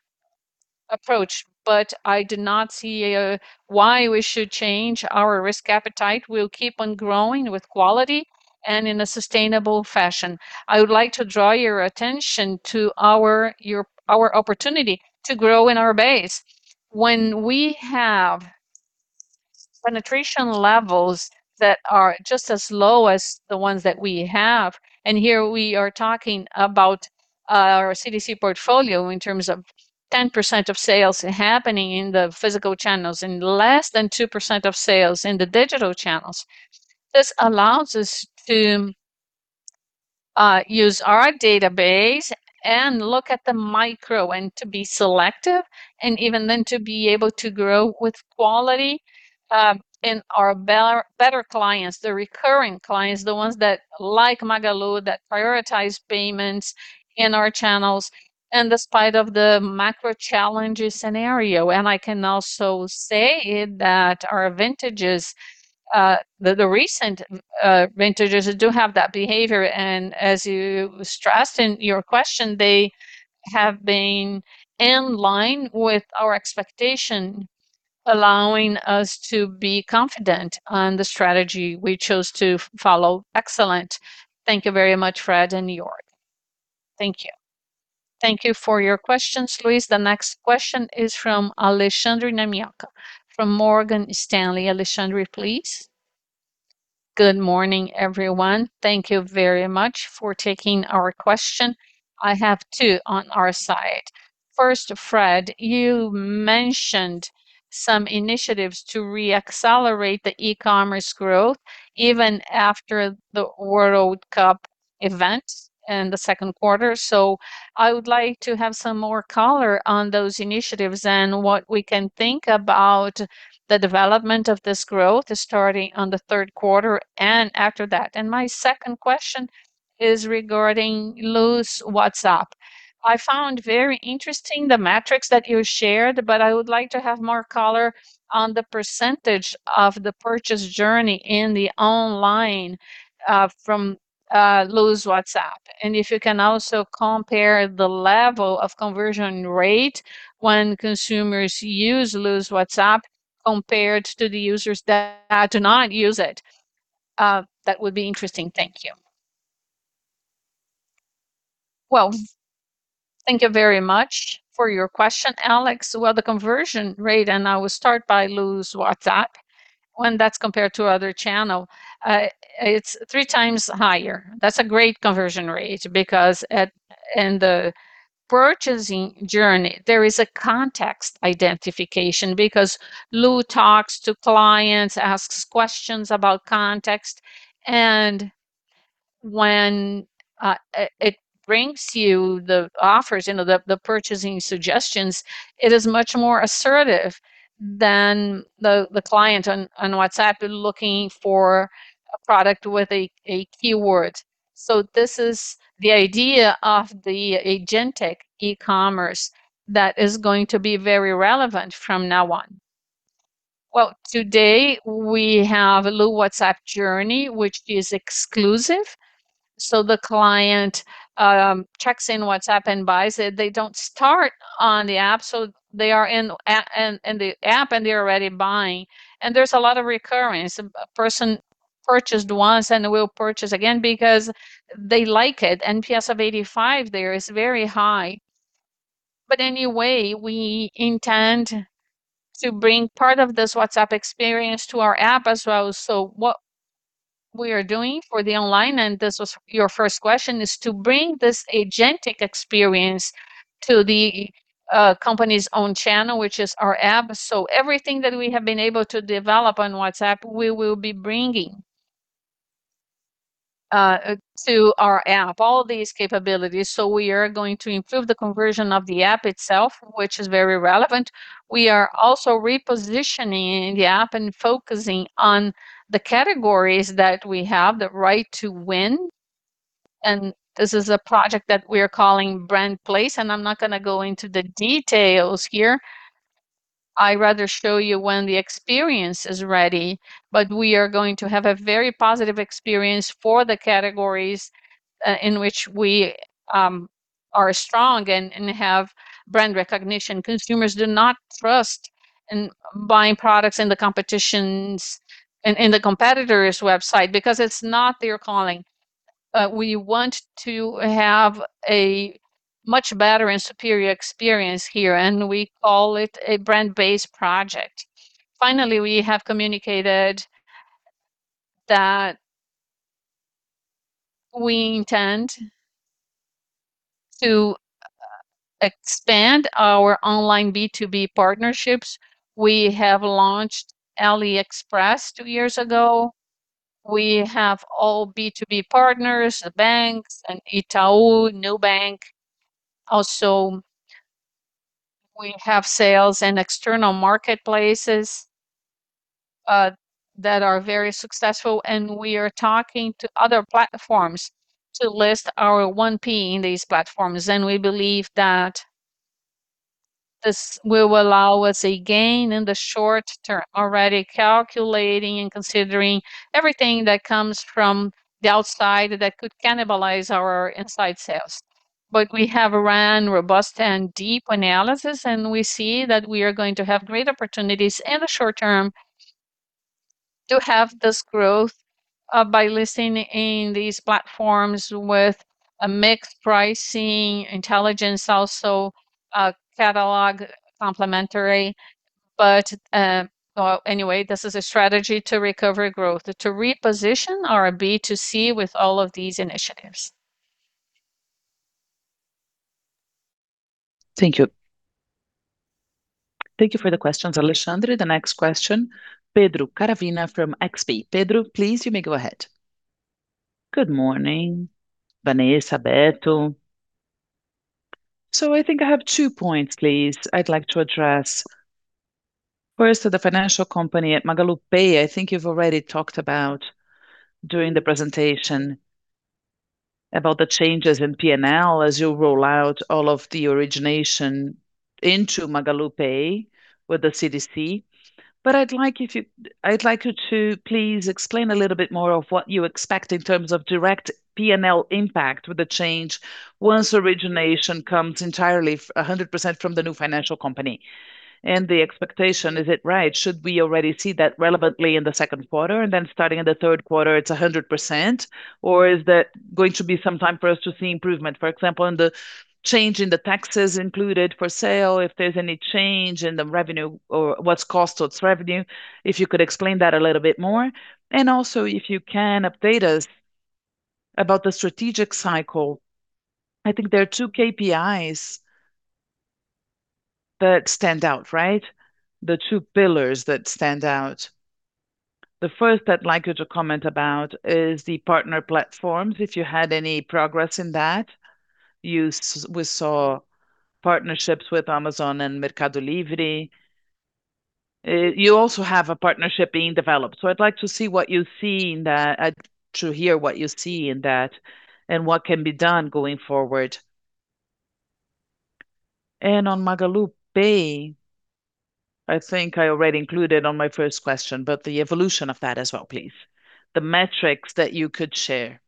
Speaker 5: approach, but I do not see why we should change our risk appetite. We'll keep on growing with quality and in a sustainable fashion. I would like to draw your attention to our opportunity to grow in our base. When we have penetration levels that are just as low as the ones that we have, here we are talking about our CDC portfolio in terms of 10% of sales happening in the physical channels and less than 2% of sales in the digital channels. This allows us to use our database and look at the micro and to be selective and even then to be able to grow with quality in our better clients, the recurring clients, the ones that like Magalu, that prioritize payments in our channels, despite of the macro challenge scenario. I can also say that our vintages, the recent vintages do have that behavior. As you stressed in your question, they have been in line with our expectation, allowing us to be confident on the strategy we chose to follow.
Speaker 4: Excellent. Thank you very much, Fred and Jörg.
Speaker 2: Thank you.
Speaker 1: Thank you for your questions, Luiz. The next question is from Alexandre Namioka from Morgan Stanley. Alexandre, please.
Speaker 6: Good morning, everyone. Thank you very much for taking our question. I have two on our side. First, Fred, you mentioned some initiatives to re-accelerate the e-commerce growth even after the World Cup event in the second quarter. I would like to have some more color on those initiatives and what we can think about the development of this growth starting on the third quarter and after that. My second question is regarding Lu's WhatsApp. I found very interesting the metrics that you shared, but I would like to have more color on the percentage of the purchase journey in the online from Lu's WhatsApp. If you can also compare the level of conversion rate when consumers use Lu's WhatsApp compared to the users that do not use it. That would be interesting. Thank you.
Speaker 2: Well, thank you very much for your question, Alexandre Namioka. Well, the conversion rate, and I will start by Lu's WhatsApp. When that's compared to other channel, it's three times higher. That's a great conversion rate because in the purchasing journey, there is a context identification because Lu talks to clients, asks questions about context. When it brings you the offers, you know, the purchasing suggestions, it is much more assertive than the client on WhatsApp looking for a product with a keyword. This is the idea of the agentic e-commerce that is going to be very relevant from now on. Today we have Lu WhatsApp journey, which is exclusive. The client checks in WhatsApp and buys it. They don't start on the app, they are in the app, and they're already buying. There's a lot of recurrence. A person purchased once and will purchase again because they like it. NPS of 85 there is very high. Anyway, we intend to bring part of this WhatsApp experience to our app as well. What we are doing for the online, and this was your first question, is to bring this agentic experience to the company's own channel, which is our app. Everything that we have been able to develop on WhatsApp, we will be bringing to our app, all these capabilities. We are going to improve the conversion of the app itself, which is very relevant. [We are also repositioning the app in focusing on the categories that we have in the right to win.] This is a project that we are calling Brand Place, and I'm not gonna go into the details here. I rather show you when the experience is ready. We are going to have a very positive experience for the categories in which we are strong and have brand recognition. Consumers do not trust in buying products in the competitor's website because it's not their calling. We want to have a much better and superior experience here, and we call it a brand-based project. Finally, we have communicated that we intend to expand our online B2B partnerships. We have launched AliExpress two years ago. We have all B2B partners, the banks and Itaú, Nubank. We have sales in external marketplaces that are very successful, and we are talking to other platforms to list our 1P in these platforms. We believe that this will allow us a gain in the short term, already calculating and considering everything that comes from the outside that could cannibalize our inside sales. We have ran robust and deep analysis, and we see that we are going to have great opportunities in the short term to have this growth by listing in these platforms with a mixed pricing intelligence, also a catalog complementary. [But, anyway] this is a strategy to recover growth, to reposition our B2C with all of these initiatives.
Speaker 6: Thank you.
Speaker 1: Thank you for the questions, Alexandre. The next question, Pedro Caravina from XP. Pedro, please, you may go ahead.
Speaker 7: Good morning, Vanessa, Beto. I think I have two points, please, I'd like to address. First, to the financial company at MagaluPay. I think you've already talked about during the presentation about the changes in P&L as you roll out all of the origination into MagaluPay with the CDC. I'd like you to please explain a little bit more of what you expect in terms of direct P&L impact with the change once origination comes entirely 100% from the new financial company. The expectation, is it right? Should we already see that relevantly in the second quarter, and then starting in the third quarter, it's 100%? Is that going to be some time for us to see improvement, for example, in the change in the taxes included for sale, if there's any change in the revenue or what's cost, what's revenue? If you could explain that a little bit more. Also, if you can update us about the strategic cycle. I think there are two KPIs that stand out, right? The two pillars that stand out. The first I'd like you to comment about is the partner platforms, if you had any progress in that. We saw partnerships with Amazon and Mercado Livre. You also have a partnership being developed, so I'd like to see what you see in that, to hear what you see in that and what can be done going forward. On MagaluPay, I think I already included on my first question, but the evolution of that as well, please. The metrics that you could share.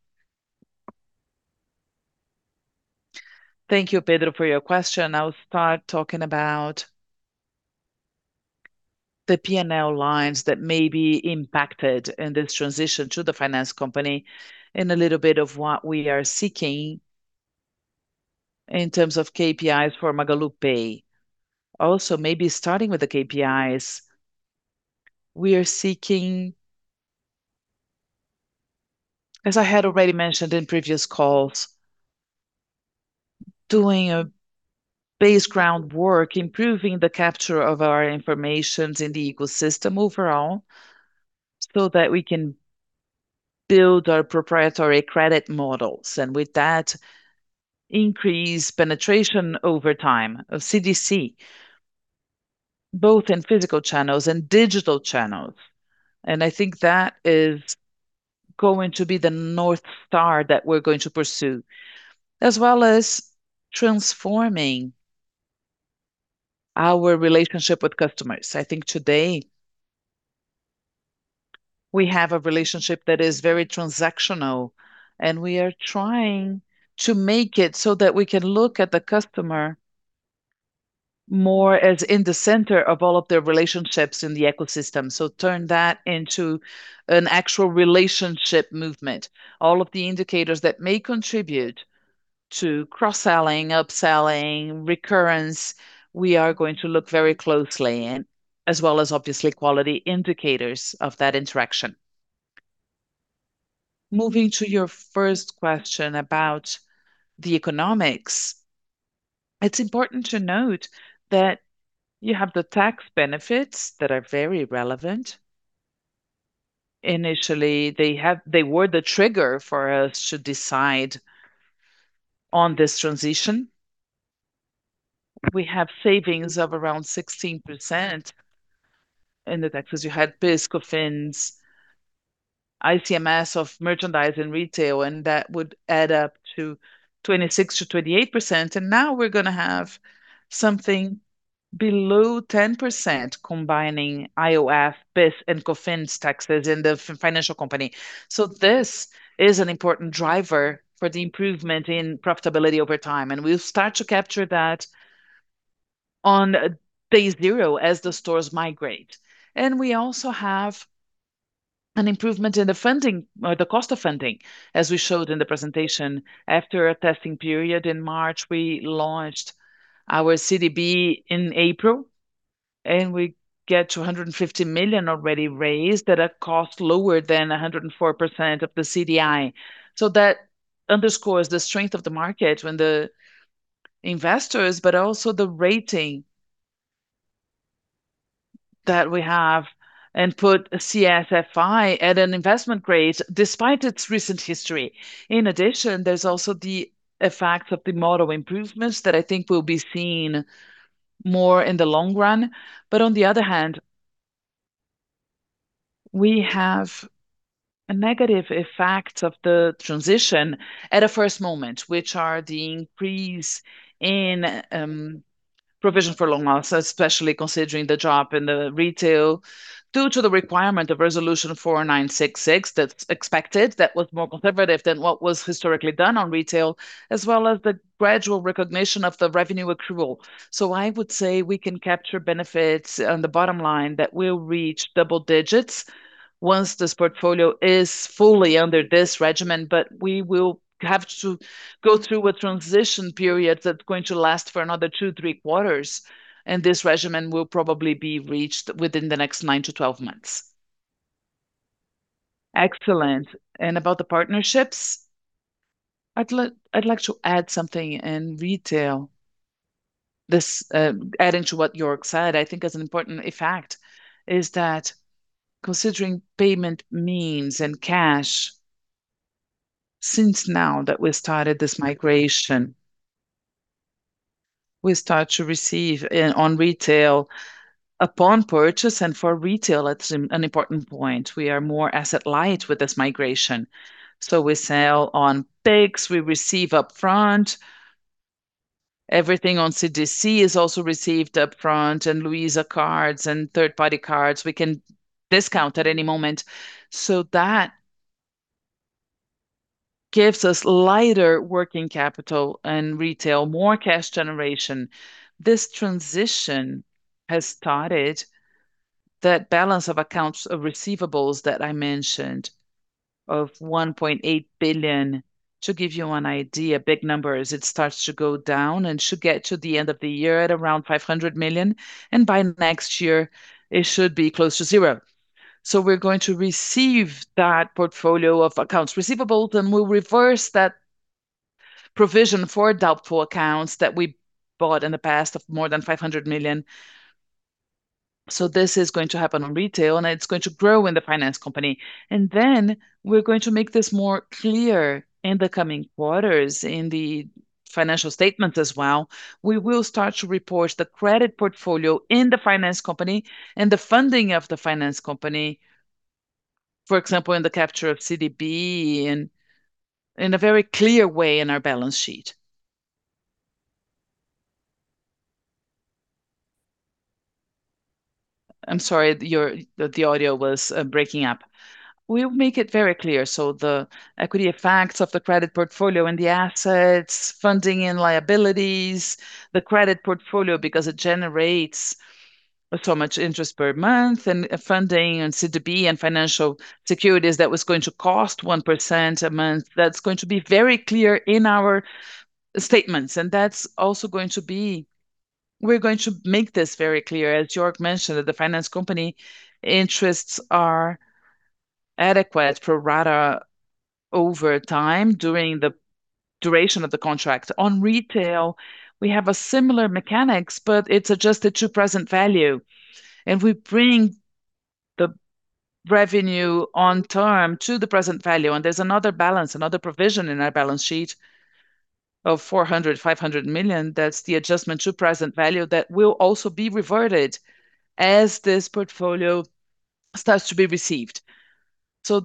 Speaker 5: Thank you, Pedro, for your question. I will start talking about the P&L lines that may be impacted in this transition to the finance company and a little bit of what we are seeking in terms of KPIs for MagaluPay. Also, maybe starting with the KPIs, we are seeking, as I had already mentioned in previous calls, doing a base ground work, improving the capture of our informations in the ecosystem overall so that we can build our proprietary credit models. With that, increase penetration over time of CDC, both in physical channels and digital channels. I think that is going to be the North Star that we're going to pursue, as well as transforming our relationship with customers. I think today we have a relationship that is very transactional, we are trying to make it so that we can look at the customer more as in the center of all of their relationships in the ecosystem. Turn that into an actual relationship movement. All of the indicators that may contribute to cross-selling, upselling, recurrence, we are going to look very closely, as well as obviously quality indicators of that interaction. Moving to your first question about the economics, it's important to note that you have the tax benefits that are very relevant. Initially, they were the trigger for us to decide on this transition. We have savings of around 16% in the taxes. You had PIS/COFINS, ICMS of merchandise and retail, that would add up to 26%-28%. Now we're gonna have something below 10% combining IOF, PIS and COFINS taxes in the financial company. This is an important driver for the improvement in profitability over time, and we'll start to capture that on day zero as the stores migrate. We also have an improvement in the funding, or the cost of funding. As we showed in the presentation, after a testing period in March, we launched our CDB in April, and we get to 150 million already raised at a cost lower than 104% of the CDI. That underscores the strength of the market when the investors, but also the rating that we have, and put CSFI at an investment grade despite its recent history. In addition, there's also the effects of the model improvements that I think will be seen more in the long run. On the other hand, we have a negative effect of the transition at a first moment, which are the increase in provision for loan loss, especially considering the drop in the retail due to the requirement of Resolution 4966 that's expected, that was more conservative than what was historically done on retail, as well as the gradual recognition of the revenue accrual. I would say we can capture benefits on the bottom line that will reach double digits once this portfolio is fully under this regimen, but we will have to go through a transition period that's going to last for another 2-3 quarters, and this regimen will probably be reached within the next 9-12 months.
Speaker 3: Excellent. About the partnerships, I'd like to add something in retail. This, adding to what Jörg said, I think is an important effect, is that considering payment means and cash, since now that we started this migration, we start to receive in, on retail upon purchase. For retail, that's an important point. We are more asset light with this migration. We sell on Pix, we receive upfront. Everything on CDC is also received upfront, and Luiza Cards and third-party cards we can discount at any moment. That gives us lighter working capital and retail, more cash generation. This transition has started that balance of accounts of receivables that I mentioned of 1.8 billion. To give you an idea, big numbers, it starts to go down and should get to the end of the year at around 500 million. By next year it should be close to zero. We're going to receive that portfolio of accounts receivable, then we'll reverse that Provision for doubtful accounts that we bought in the past of more than 500 million. This is going to happen on retail, and it's going to grow in the finance company. We're going to make this more clear in the coming quarters in the financial statement as well. We will start to report the credit portfolio in the finance company and the funding of the finance company, for example, in the capture of CDB in a very clear way in our balance sheet. I'm sorry, your audio was breaking up. We'll make it very clear, the equity effects of the credit portfolio and the assets, funding and liabilities, the credit portfolio, because it generates so much interest per month, funding and CDB and financial securities that was going to cost 1% a month, that's going to be very clear in our statements. We're going to make this very clear, as Jörg mentioned, that the finance company interests are adequate pro rata over time during the duration of the contract. On retail, we have a similar mechanics, it's adjusted to present value. We bring the revenue on term to the present value. There's another balance, another provision in our balance sheet of 400 million-500 million that's the adjustment to present value that will also be reverted as this portfolio starts to be received.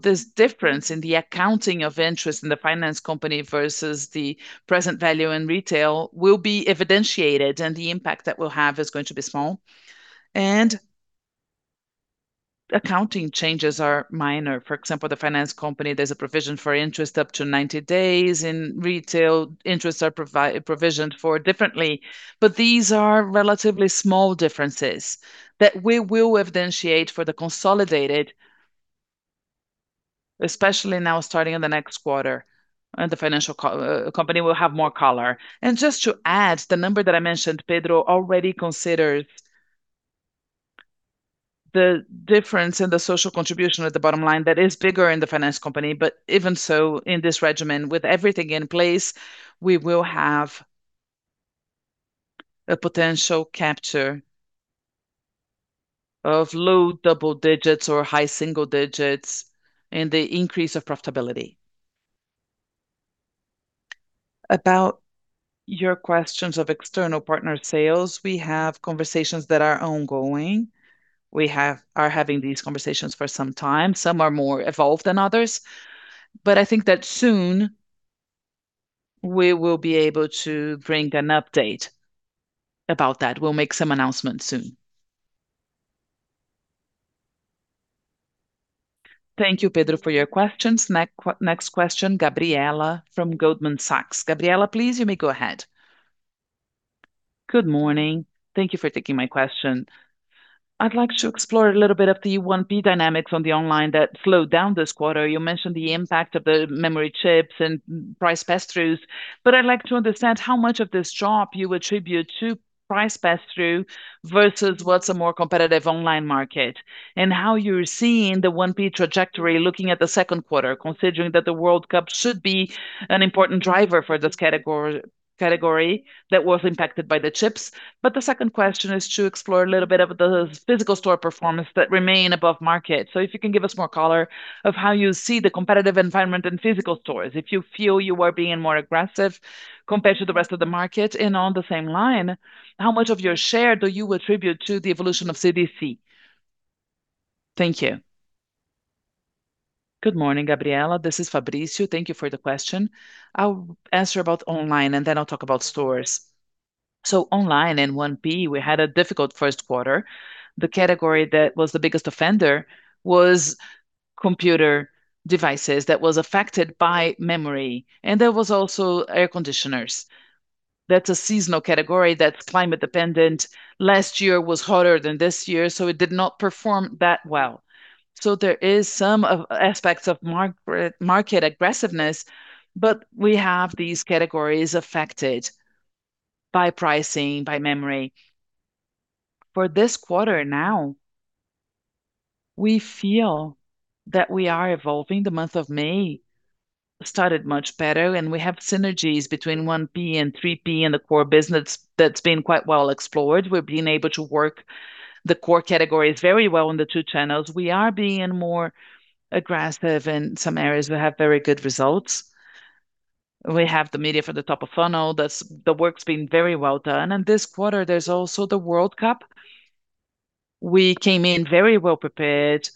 Speaker 3: This difference in the accounting of interest in the finance company versus the present value in retail will be evidentiated, and the impact that we'll have is going to be small. [And] accounting changes are minor. For example, the finance company, there's a provision for interest up to 90 days. In retail, interests are provisioned for differently. These are relatively small differences that we will evidentiate for the consolidated, especially now starting in the next quarter, and the financial company will have more color. Just to add, the number that I mentioned, Pedro already considered the difference in the social contribution at the bottom line that is bigger in the finance company. Even so, in this regimen, with everything in place, we will have a potential capture of low double digits or high single digits in the increase of profitability.
Speaker 2: About your questions of external partner sales, we have conversations that are ongoing. We are having these conversations for some time. Some are more evolved than others. I think that soon we will be able to bring an update about that. We'll make some announcement soon.
Speaker 1: Thank you, Pedro, for your questions. Next question, Gabriela from Goldman Sachs. Gabriela, please, you may go ahead.
Speaker 8: Good morning. Thank you for taking my question. I'd like to explore a little bit of the 1P dynamics on the online that slowed down this quarter. You mentioned the impact of the memory chips and price pass-throughs, but I'd like to understand how much of this drop you attribute to price pass-through versus what's a more competitive online market, and how you're seeing the 1P trajectory looking at the second quarter, considering that the World Cup should be an important driver for this category that was impacted by the chips. The second question is to explore a little bit of the physical store performance that remain above market. If you can give us more color of how you see the competitive environment in physical stores, if you feel you are being more aggressive compared to the rest of the market. On the same line, how much of your share do you attribute to the evolution of CDC? Thank you.
Speaker 9: Good morning, Gabriela. This is Fabricio. Thank you for the question. I'll answer about online. Then I'll talk about stores. Online, in 1P, we had a difficult first quarter. The category that was the biggest offender was computer devices that was affected by memory. There was also air conditioners. That's a seasonal category that's climate dependent. Last year was hotter than this year. It did not perform that well. There is some of aspects of market aggressiveness. We have these categories affected by pricing, by memory. For this quarter now, we feel that we are evolving. The month of May started much better. We have synergies between 1P and 3P in the core business that's been quite well explored. We're being able to work the core categories very well on the two channels. We are being more aggressive in some areas. We have very good results. We have the media for the top of funnel. The work's been very well done. This quarter, there's also the World Cup. We came in very well prepared.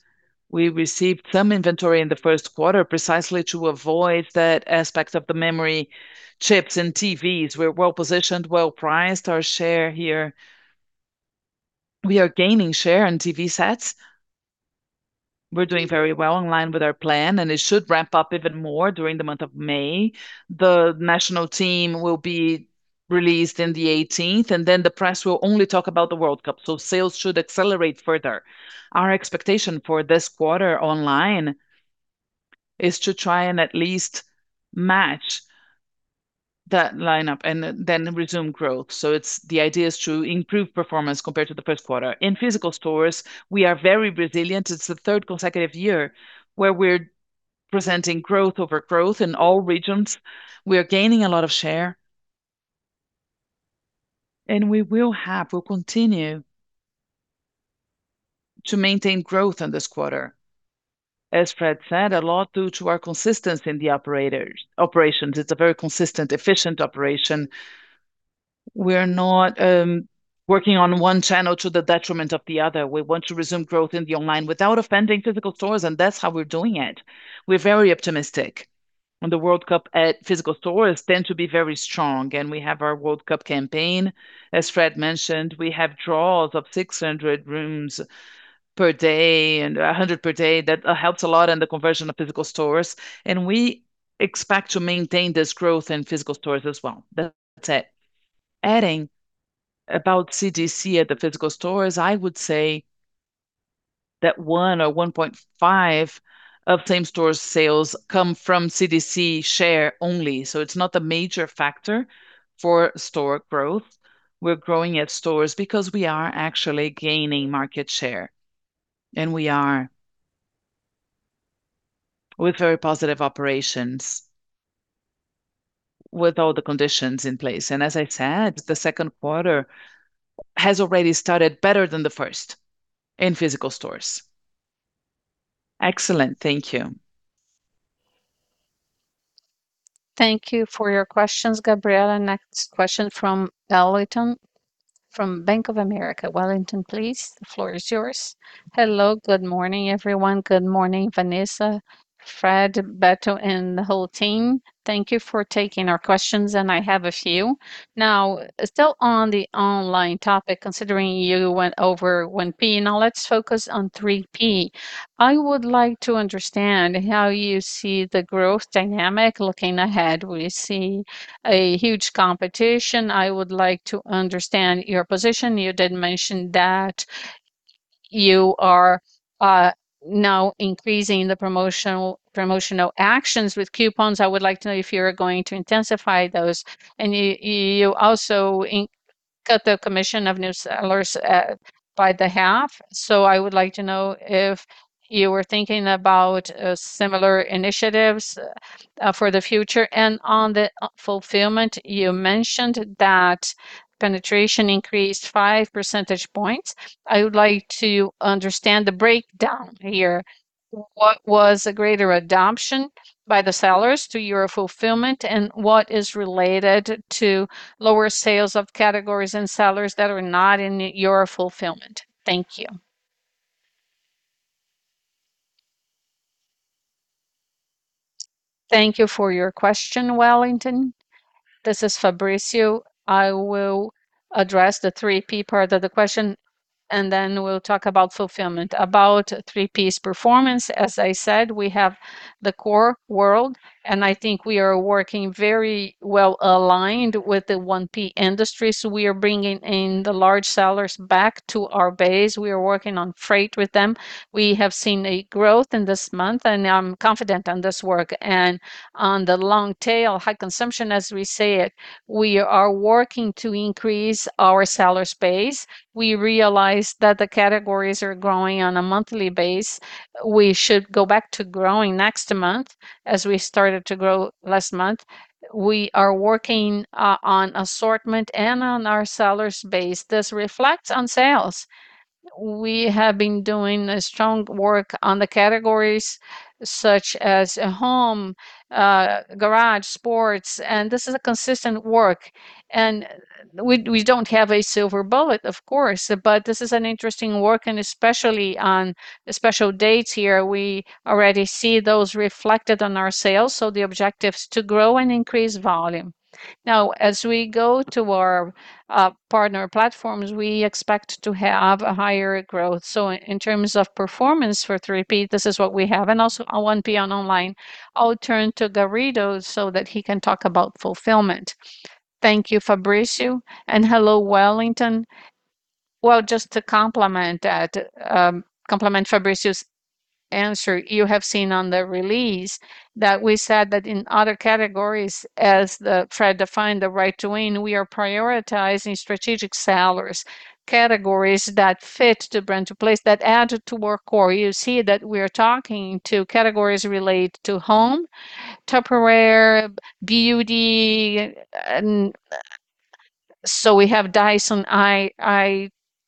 Speaker 9: We received some inventory in the first quarter precisely to avoid that aspect of the memory chips and TVs. We're well-positioned, well-priced. Our share here, we are gaining share on TV sets. We're doing very well in line with our plan, and it should ramp up even more during the month of May. The national team will be released in the 18th. The press will only talk about the World Cup. Sales should accelerate further. Our expectation for this quarter online is to try and at least match that line up and then resume growth. The idea is to improve performance compared to the first quarter. In physical stores, we are very resilient. It's the third consecutive year where we're presenting growth over growth in all regions. We are gaining a lot of share. We'll continue to maintain growth in this quarter. As Fred said, a lot due to our consistency in the operations. It's a very consistent, efficient operation. We're not working on one channel to the detriment of the other. We want to resume growth in the online without offending physical stores, and that's how we're doing it. We're very optimistic. The World Cup at physical stores tend to be very strong, and we have our World Cup campaign. As Fred mentioned, we have draws of 600 rooms per day and 100 per day that helps a lot in the conversion of physical stores, and we expect to maintain this growth in physical stores as well. That's it.
Speaker 3: Adding about CDC at the physical stores, I would say that 1 or 1.5 of same-store sales come from CDC share only. It's not a major factor for store growth. We're growing at stores because we are actually gaining market share, and we are with very positive operations with all the conditions in place. As I said, the second quarter has already started better than the first in physical stores.
Speaker 8: Excellent.
Speaker 3: Thank you.
Speaker 1: Thank you for your questions, Gabriela. Next question from Wellington from Bank of America. Wellington, please, the floor is yours.
Speaker 10: Hello. Good morning, everyone. Good morning, Vanessa, Fred, Beto, and the whole team. Thank you for taking our questions. I have a few. Still on the online topic, considering you went over 1P. Let's focus on 3P. I would like to understand how you see the growth dynamic looking ahead. We see a huge competition. I would like to understand your position. You did mention that you are now increasing the promotional actions with coupons. I would like to know if you're going to intensify those. You also cut the commission of new sellers by the half. I would like to know if you were thinking about similar initiatives for the future. On the fulfillment, you mentioned that penetration increased 5 percentage points. I would like to understand the breakdown here. What was a greater adoption by the sellers to your fulfillment, and what is related to lower sales of categories and sellers that are not in your fulfillment? Thank you.
Speaker 9: Thank you for your question, Wellington. This is Fabricio. I will address the 3P part of the question, and then we'll talk about fulfillment. About 3P performance, as I said, we have the core world, and I think we are working very well aligned with the 1P industry. We are bringing in the large sellers back to our base. We are working on freight with them. We have seen a growth in this month, and I'm confident on this work. On the long tail, high consumption, as we say it, we are working to increase our sellers base. We realize that the categories are growing on a monthly base. We should go back to growing next month as we started to grow last month. We are working on assortment and on our sellers base. This reflects on sales. We have been doing a strong work on the categories such as home, garage, sports, this is a consistent work. We don't have a silver bullet, of course, but this is an interesting work, especially on special dates here, we already see those reflected on our sales. The objective is to grow and increase volume. Now, as we go to our partner platforms, we expect to have a higher growth. In terms of performance for 3P, this is what we have, and also on 1P on online. I'll turn to Garrido so that he can talk about fulfillment.
Speaker 11: Thank you, Fabricio. Hello, Wellington. Well, just to complement that, complement Fabricio's answer, you have seen on the release that we said that in other categories, as the right to win, we are prioritizing strategic sellers, categories that fit the Brand Place, that add to our core. You see that we are talking to categories related to home, Tupperware, beauty, so we have Dyson,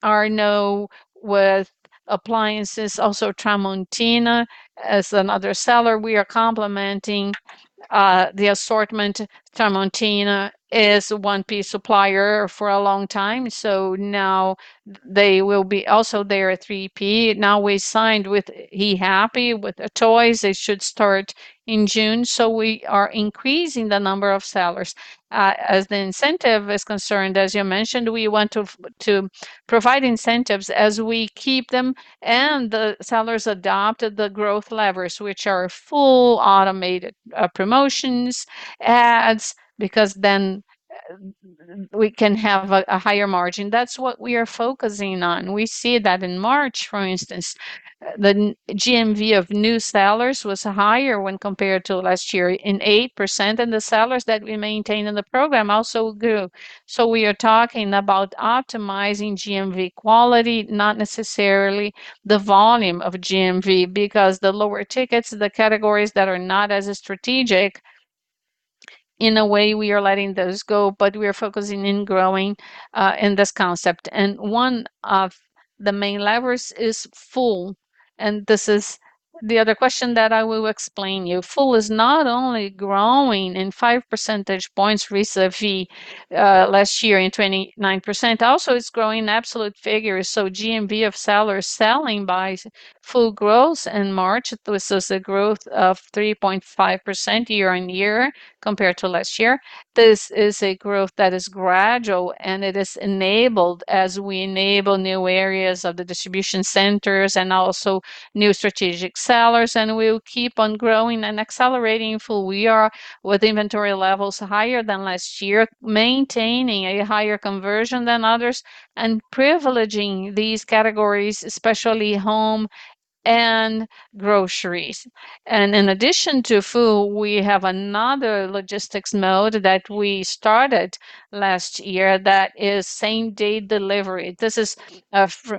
Speaker 11: Arno with appliances, also Tramontina as another seller. We are complementing the assortment. Tramontina is 1P supplier for a long time, so now they will be also their 3P. Now we signed with Ri Happy with toys. They should start in June. We are increasing the number of sellers. As the incentive is concerned, as you mentioned, we want to provide incentives as we keep them and the sellers adopt the growth levers, which are full automated promotions, ads, because then we can have a higher margin. That's what we are focusing on. We see that in March, for instance, the GMV of new sellers was higher when compared to last year in 8%, and the sellers that we maintain in the program also grew. We are talking about optimizing GMV quality, not necessarily the volume of GMV because the lower tickets, the categories that are not as strategic, in a way we are letting those go, but we are focusing in growing in this concept. One of the main levers is full, and this is the other question that I will explain you. Full is not only growing in five percentage points recently, last year in 29%. It's growing absolute figures, so GMV of sellers selling by full growth in March. This is a growth of 3.5% year-over-year compared to last year. This is a growth that is gradual, and it is enabled as we enable new areas of the distribution centers and also new strategic sellers, and we'll keep on growing and accelerating full. We are with inventory levels higher than last year, maintaining a higher conversion than others and privileging these categories, especially home and groceries. In addition to full, we have another logistics mode that we started last year that is same-day delivery. This is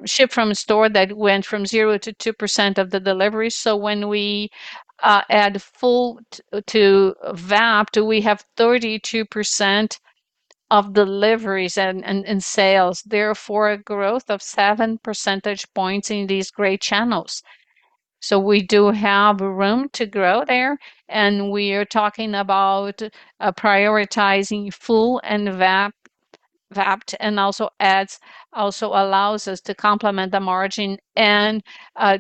Speaker 11: ship from store that went from 0 to 2% of the delivery. When we add full to Vapt, we have 32% of deliveries and sales. Therefore, a growth of 7 percentage points in these great channels. We do have room to grow there, and we are talking about prioritizing full and Vapt also allows us to complement the margin and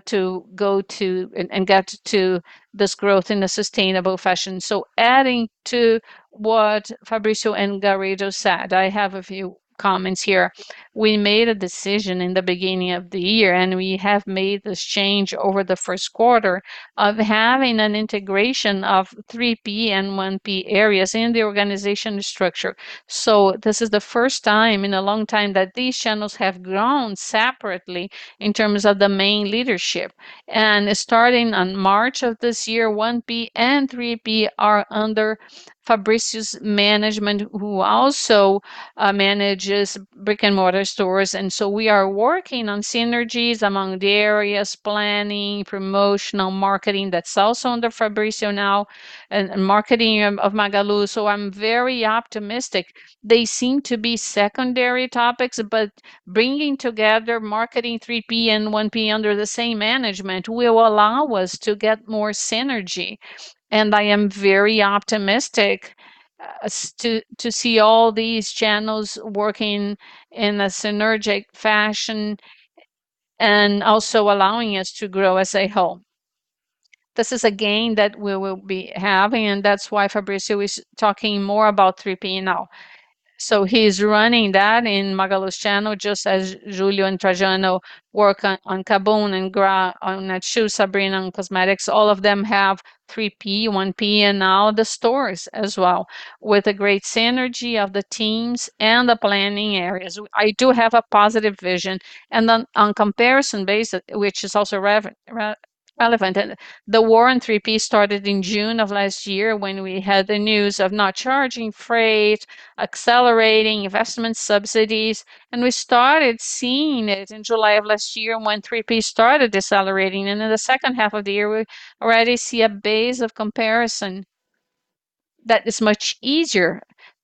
Speaker 11: to go to and get to this growth in a sustainable fashion.
Speaker 2: Adding to what Fabricio and Garrido said, I have a few comments here. We made a decision in the beginning of the year, and we have made this change over the first quarter of having an integration of 3P and 1P areas in the organization structure. This is the first time in a long time that these channels have grown separately in terms of the main leadership. Starting on March of this year, 1P and 3P are under Fabricio's management, who also manages brick-and-mortar stores. We are working on synergies among the areas, planning, promotional marketing that's also under Fabricio now and marketing of Magalu. I'm very optimistic. They seem to be secondary topics. Bringing together marketing 3P and 1P under the same management will allow us to get more synergy, and I am very optimistic to see all these channels working in a synergic fashion and also allowing us to grow as a whole. This is a gain that we will be having. That's why Fabricio is talking more about 3P now. He's running that in Magalu's channel, just as Julio and Trajano work on KaBuM! and Garrido on Atiro, Sabrina on cosmetics. All of them have 3P, 1P, and now the stores as well. With the great synergy of the teams and the planning areas, I do have a positive vision. On comparison basis, which is also relevant, the war on 3P started in June of last year when we had the news of not charging freight, accelerating investment subsidies. We started seeing it in July of last year when 3P started decelerating. In the second half of the year, we already see a base of comparison that is much easier,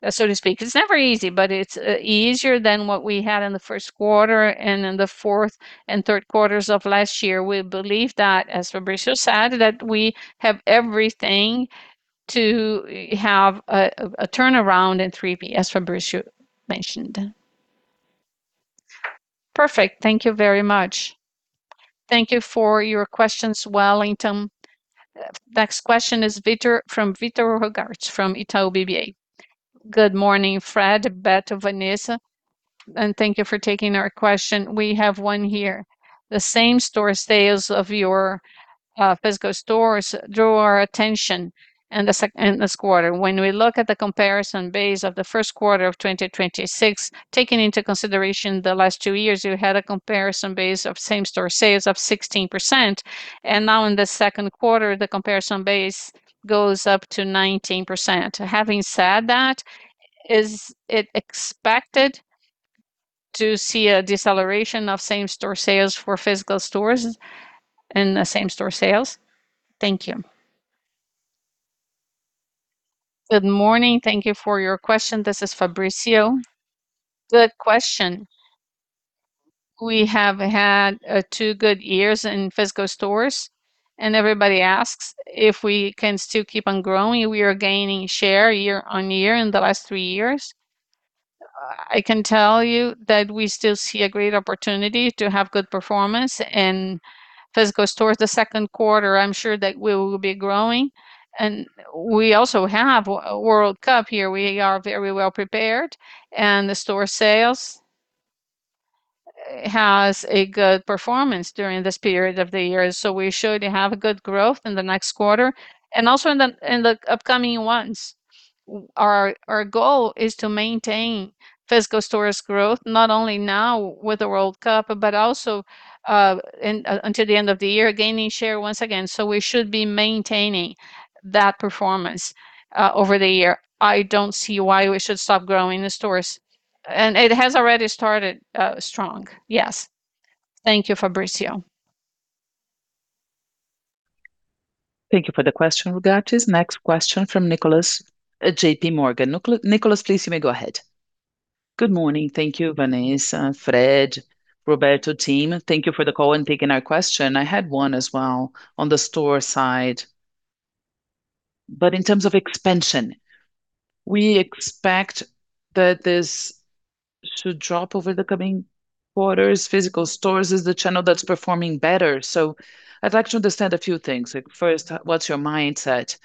Speaker 2: so to speak. It's never easy, but it's easier than what we had in the first quarter and in the fourth and third quarters of last year. We believe that, as Fabricio said, that we have everything to have a turnaround in 3P, as Fabricio mentioned.
Speaker 10: Perfect. Thank you very much.
Speaker 2: Thank you for your questions, Wellington.
Speaker 1: Next question is from Vitor Fagundes from Itaú BBA.
Speaker 12: Good morning, Fred, Beto, Vanessa, thank you for taking our question. We have one here. The same store sales of your physical stores drew our attention in this quarter. When we look at the comparison base of the first quarter of 2026, taking into consideration the last two years, you had a comparison base of same store sales of 16%, now in the second quarter, the comparison base goes up to 19%. Having said that, is it expected to see a deceleration of same store sales for physical stores in the same store sales? Thank you.
Speaker 9: Good morning. Thank you for your question. This is Fabricio. Good question. We have had two good years in physical stores, everybody asks if we can still keep on growing. We are gaining share year-on-year in the last three years. I can tell you that we still see a great opportunity to have good performance in physical stores the second quarter. I'm sure that we will be growing. We also have World Cup here. We are very well prepared, the store sale Has a good performance during this period of the year, so we're sure to have a good growth in the next quarter. Also in the upcoming ones. Our goal is to maintain physical stores growth, not only now with the World Cup, but also until the end of the year, gaining share once again. We should be maintaining that performance over the year. I don't see why we should stop growing the stores. It has already started strong. Yes.
Speaker 12: Thank you, Fabricio.
Speaker 1: Thank you for the question, Lugatti. Next question from Nicholas at JPMorgan. Nicholas, please, you may go ahead.
Speaker 13: Good morning. Thank you, Vanessa, Fred, Roberto, team. Thank you for the call and taking our question. I had one as well on the store side. In terms of expansion, we expect that this should drop over the coming quarters. Physical stores is the channel that's performing better. I'd like to understand a few things. Like, first, what's your mindset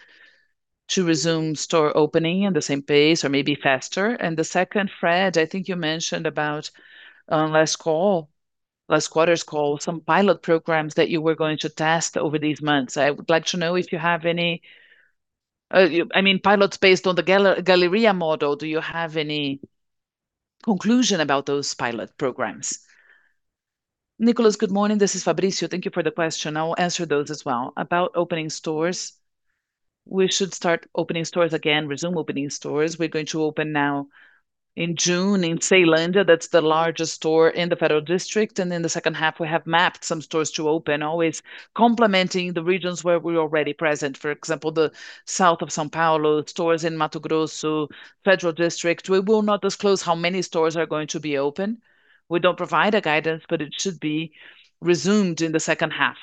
Speaker 13: to resume store opening at the same pace or maybe faster? The second, Fred, I think you mentioned about, on last call, last quarter's call, some pilot programs that you were going to test over these months. I would like to know if you have any, I mean, pilots based on the Galeria Magalu model. Do you have any conclusion about those pilot programs?
Speaker 9: Nicholas, good morning. This is Fabricio. Thank you for the question. I will answer those as well. About opening stores, we should start opening stores again, resume opening stores. We're going to open now in June in Ceilândia, that's the largest store in the Federal District. In the second half we have mapped some stores to open, always complementing the regions where we're already present. For example, the south of São Paulo, stores in Mato Grosso, Federal District. We will not disclose how many stores are going to be open. We don't provide a guidance, but it should be resumed in the second half.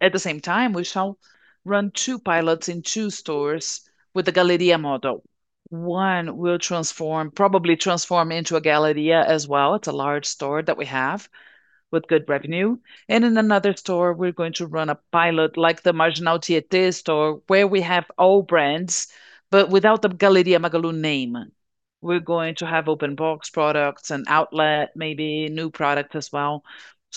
Speaker 9: At the same time, we shall run two pilots in two stores with the Galeria model. One we'll transform, probably transform into a Galeria as well. It's a large store that we have with good revenue. In another store we're going to run a pilot like the Marginal Tietê store where we have all brands, but without the Galeria Magalu name. We're going to have open box products and outlet, maybe new product as well.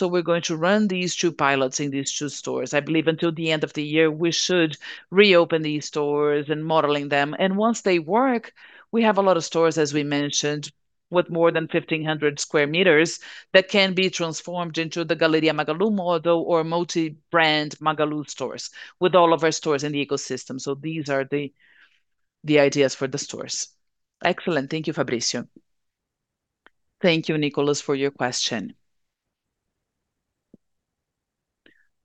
Speaker 9: We're going to run these two pilots in these two stores. I believe until the end of the year we should reopen these stores and modeling them. Once they work, we have a lot of stores, as we mentioned, with more than 1,500 sqm that can be transformed into the Galeria Magalu model or multi-brand Magalu stores with all of our stores in the ecosystem. These are the ideas for the stores.
Speaker 13: Excellent. Thank you, Fabricio.
Speaker 9: Thank you, Nicholas, for your question.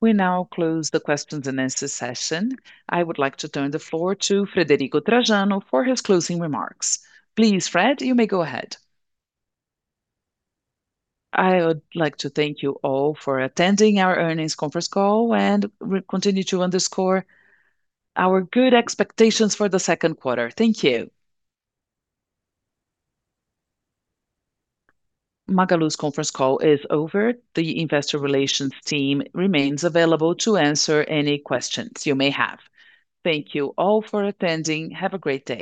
Speaker 1: We now close the questions and answers session. I would like to turn the floor to Frederico Trajano for his closing remarks. Please, Fred, you may go ahead.
Speaker 2: I would like to thank you all for attending our earnings conference call, and we continue to underscore our good expectations for the second quarter. Thank you.
Speaker 1: Magalu's conference call is over. The investor relations team remains available to answer any questions you may have. Thank you all for attending. Have a great day.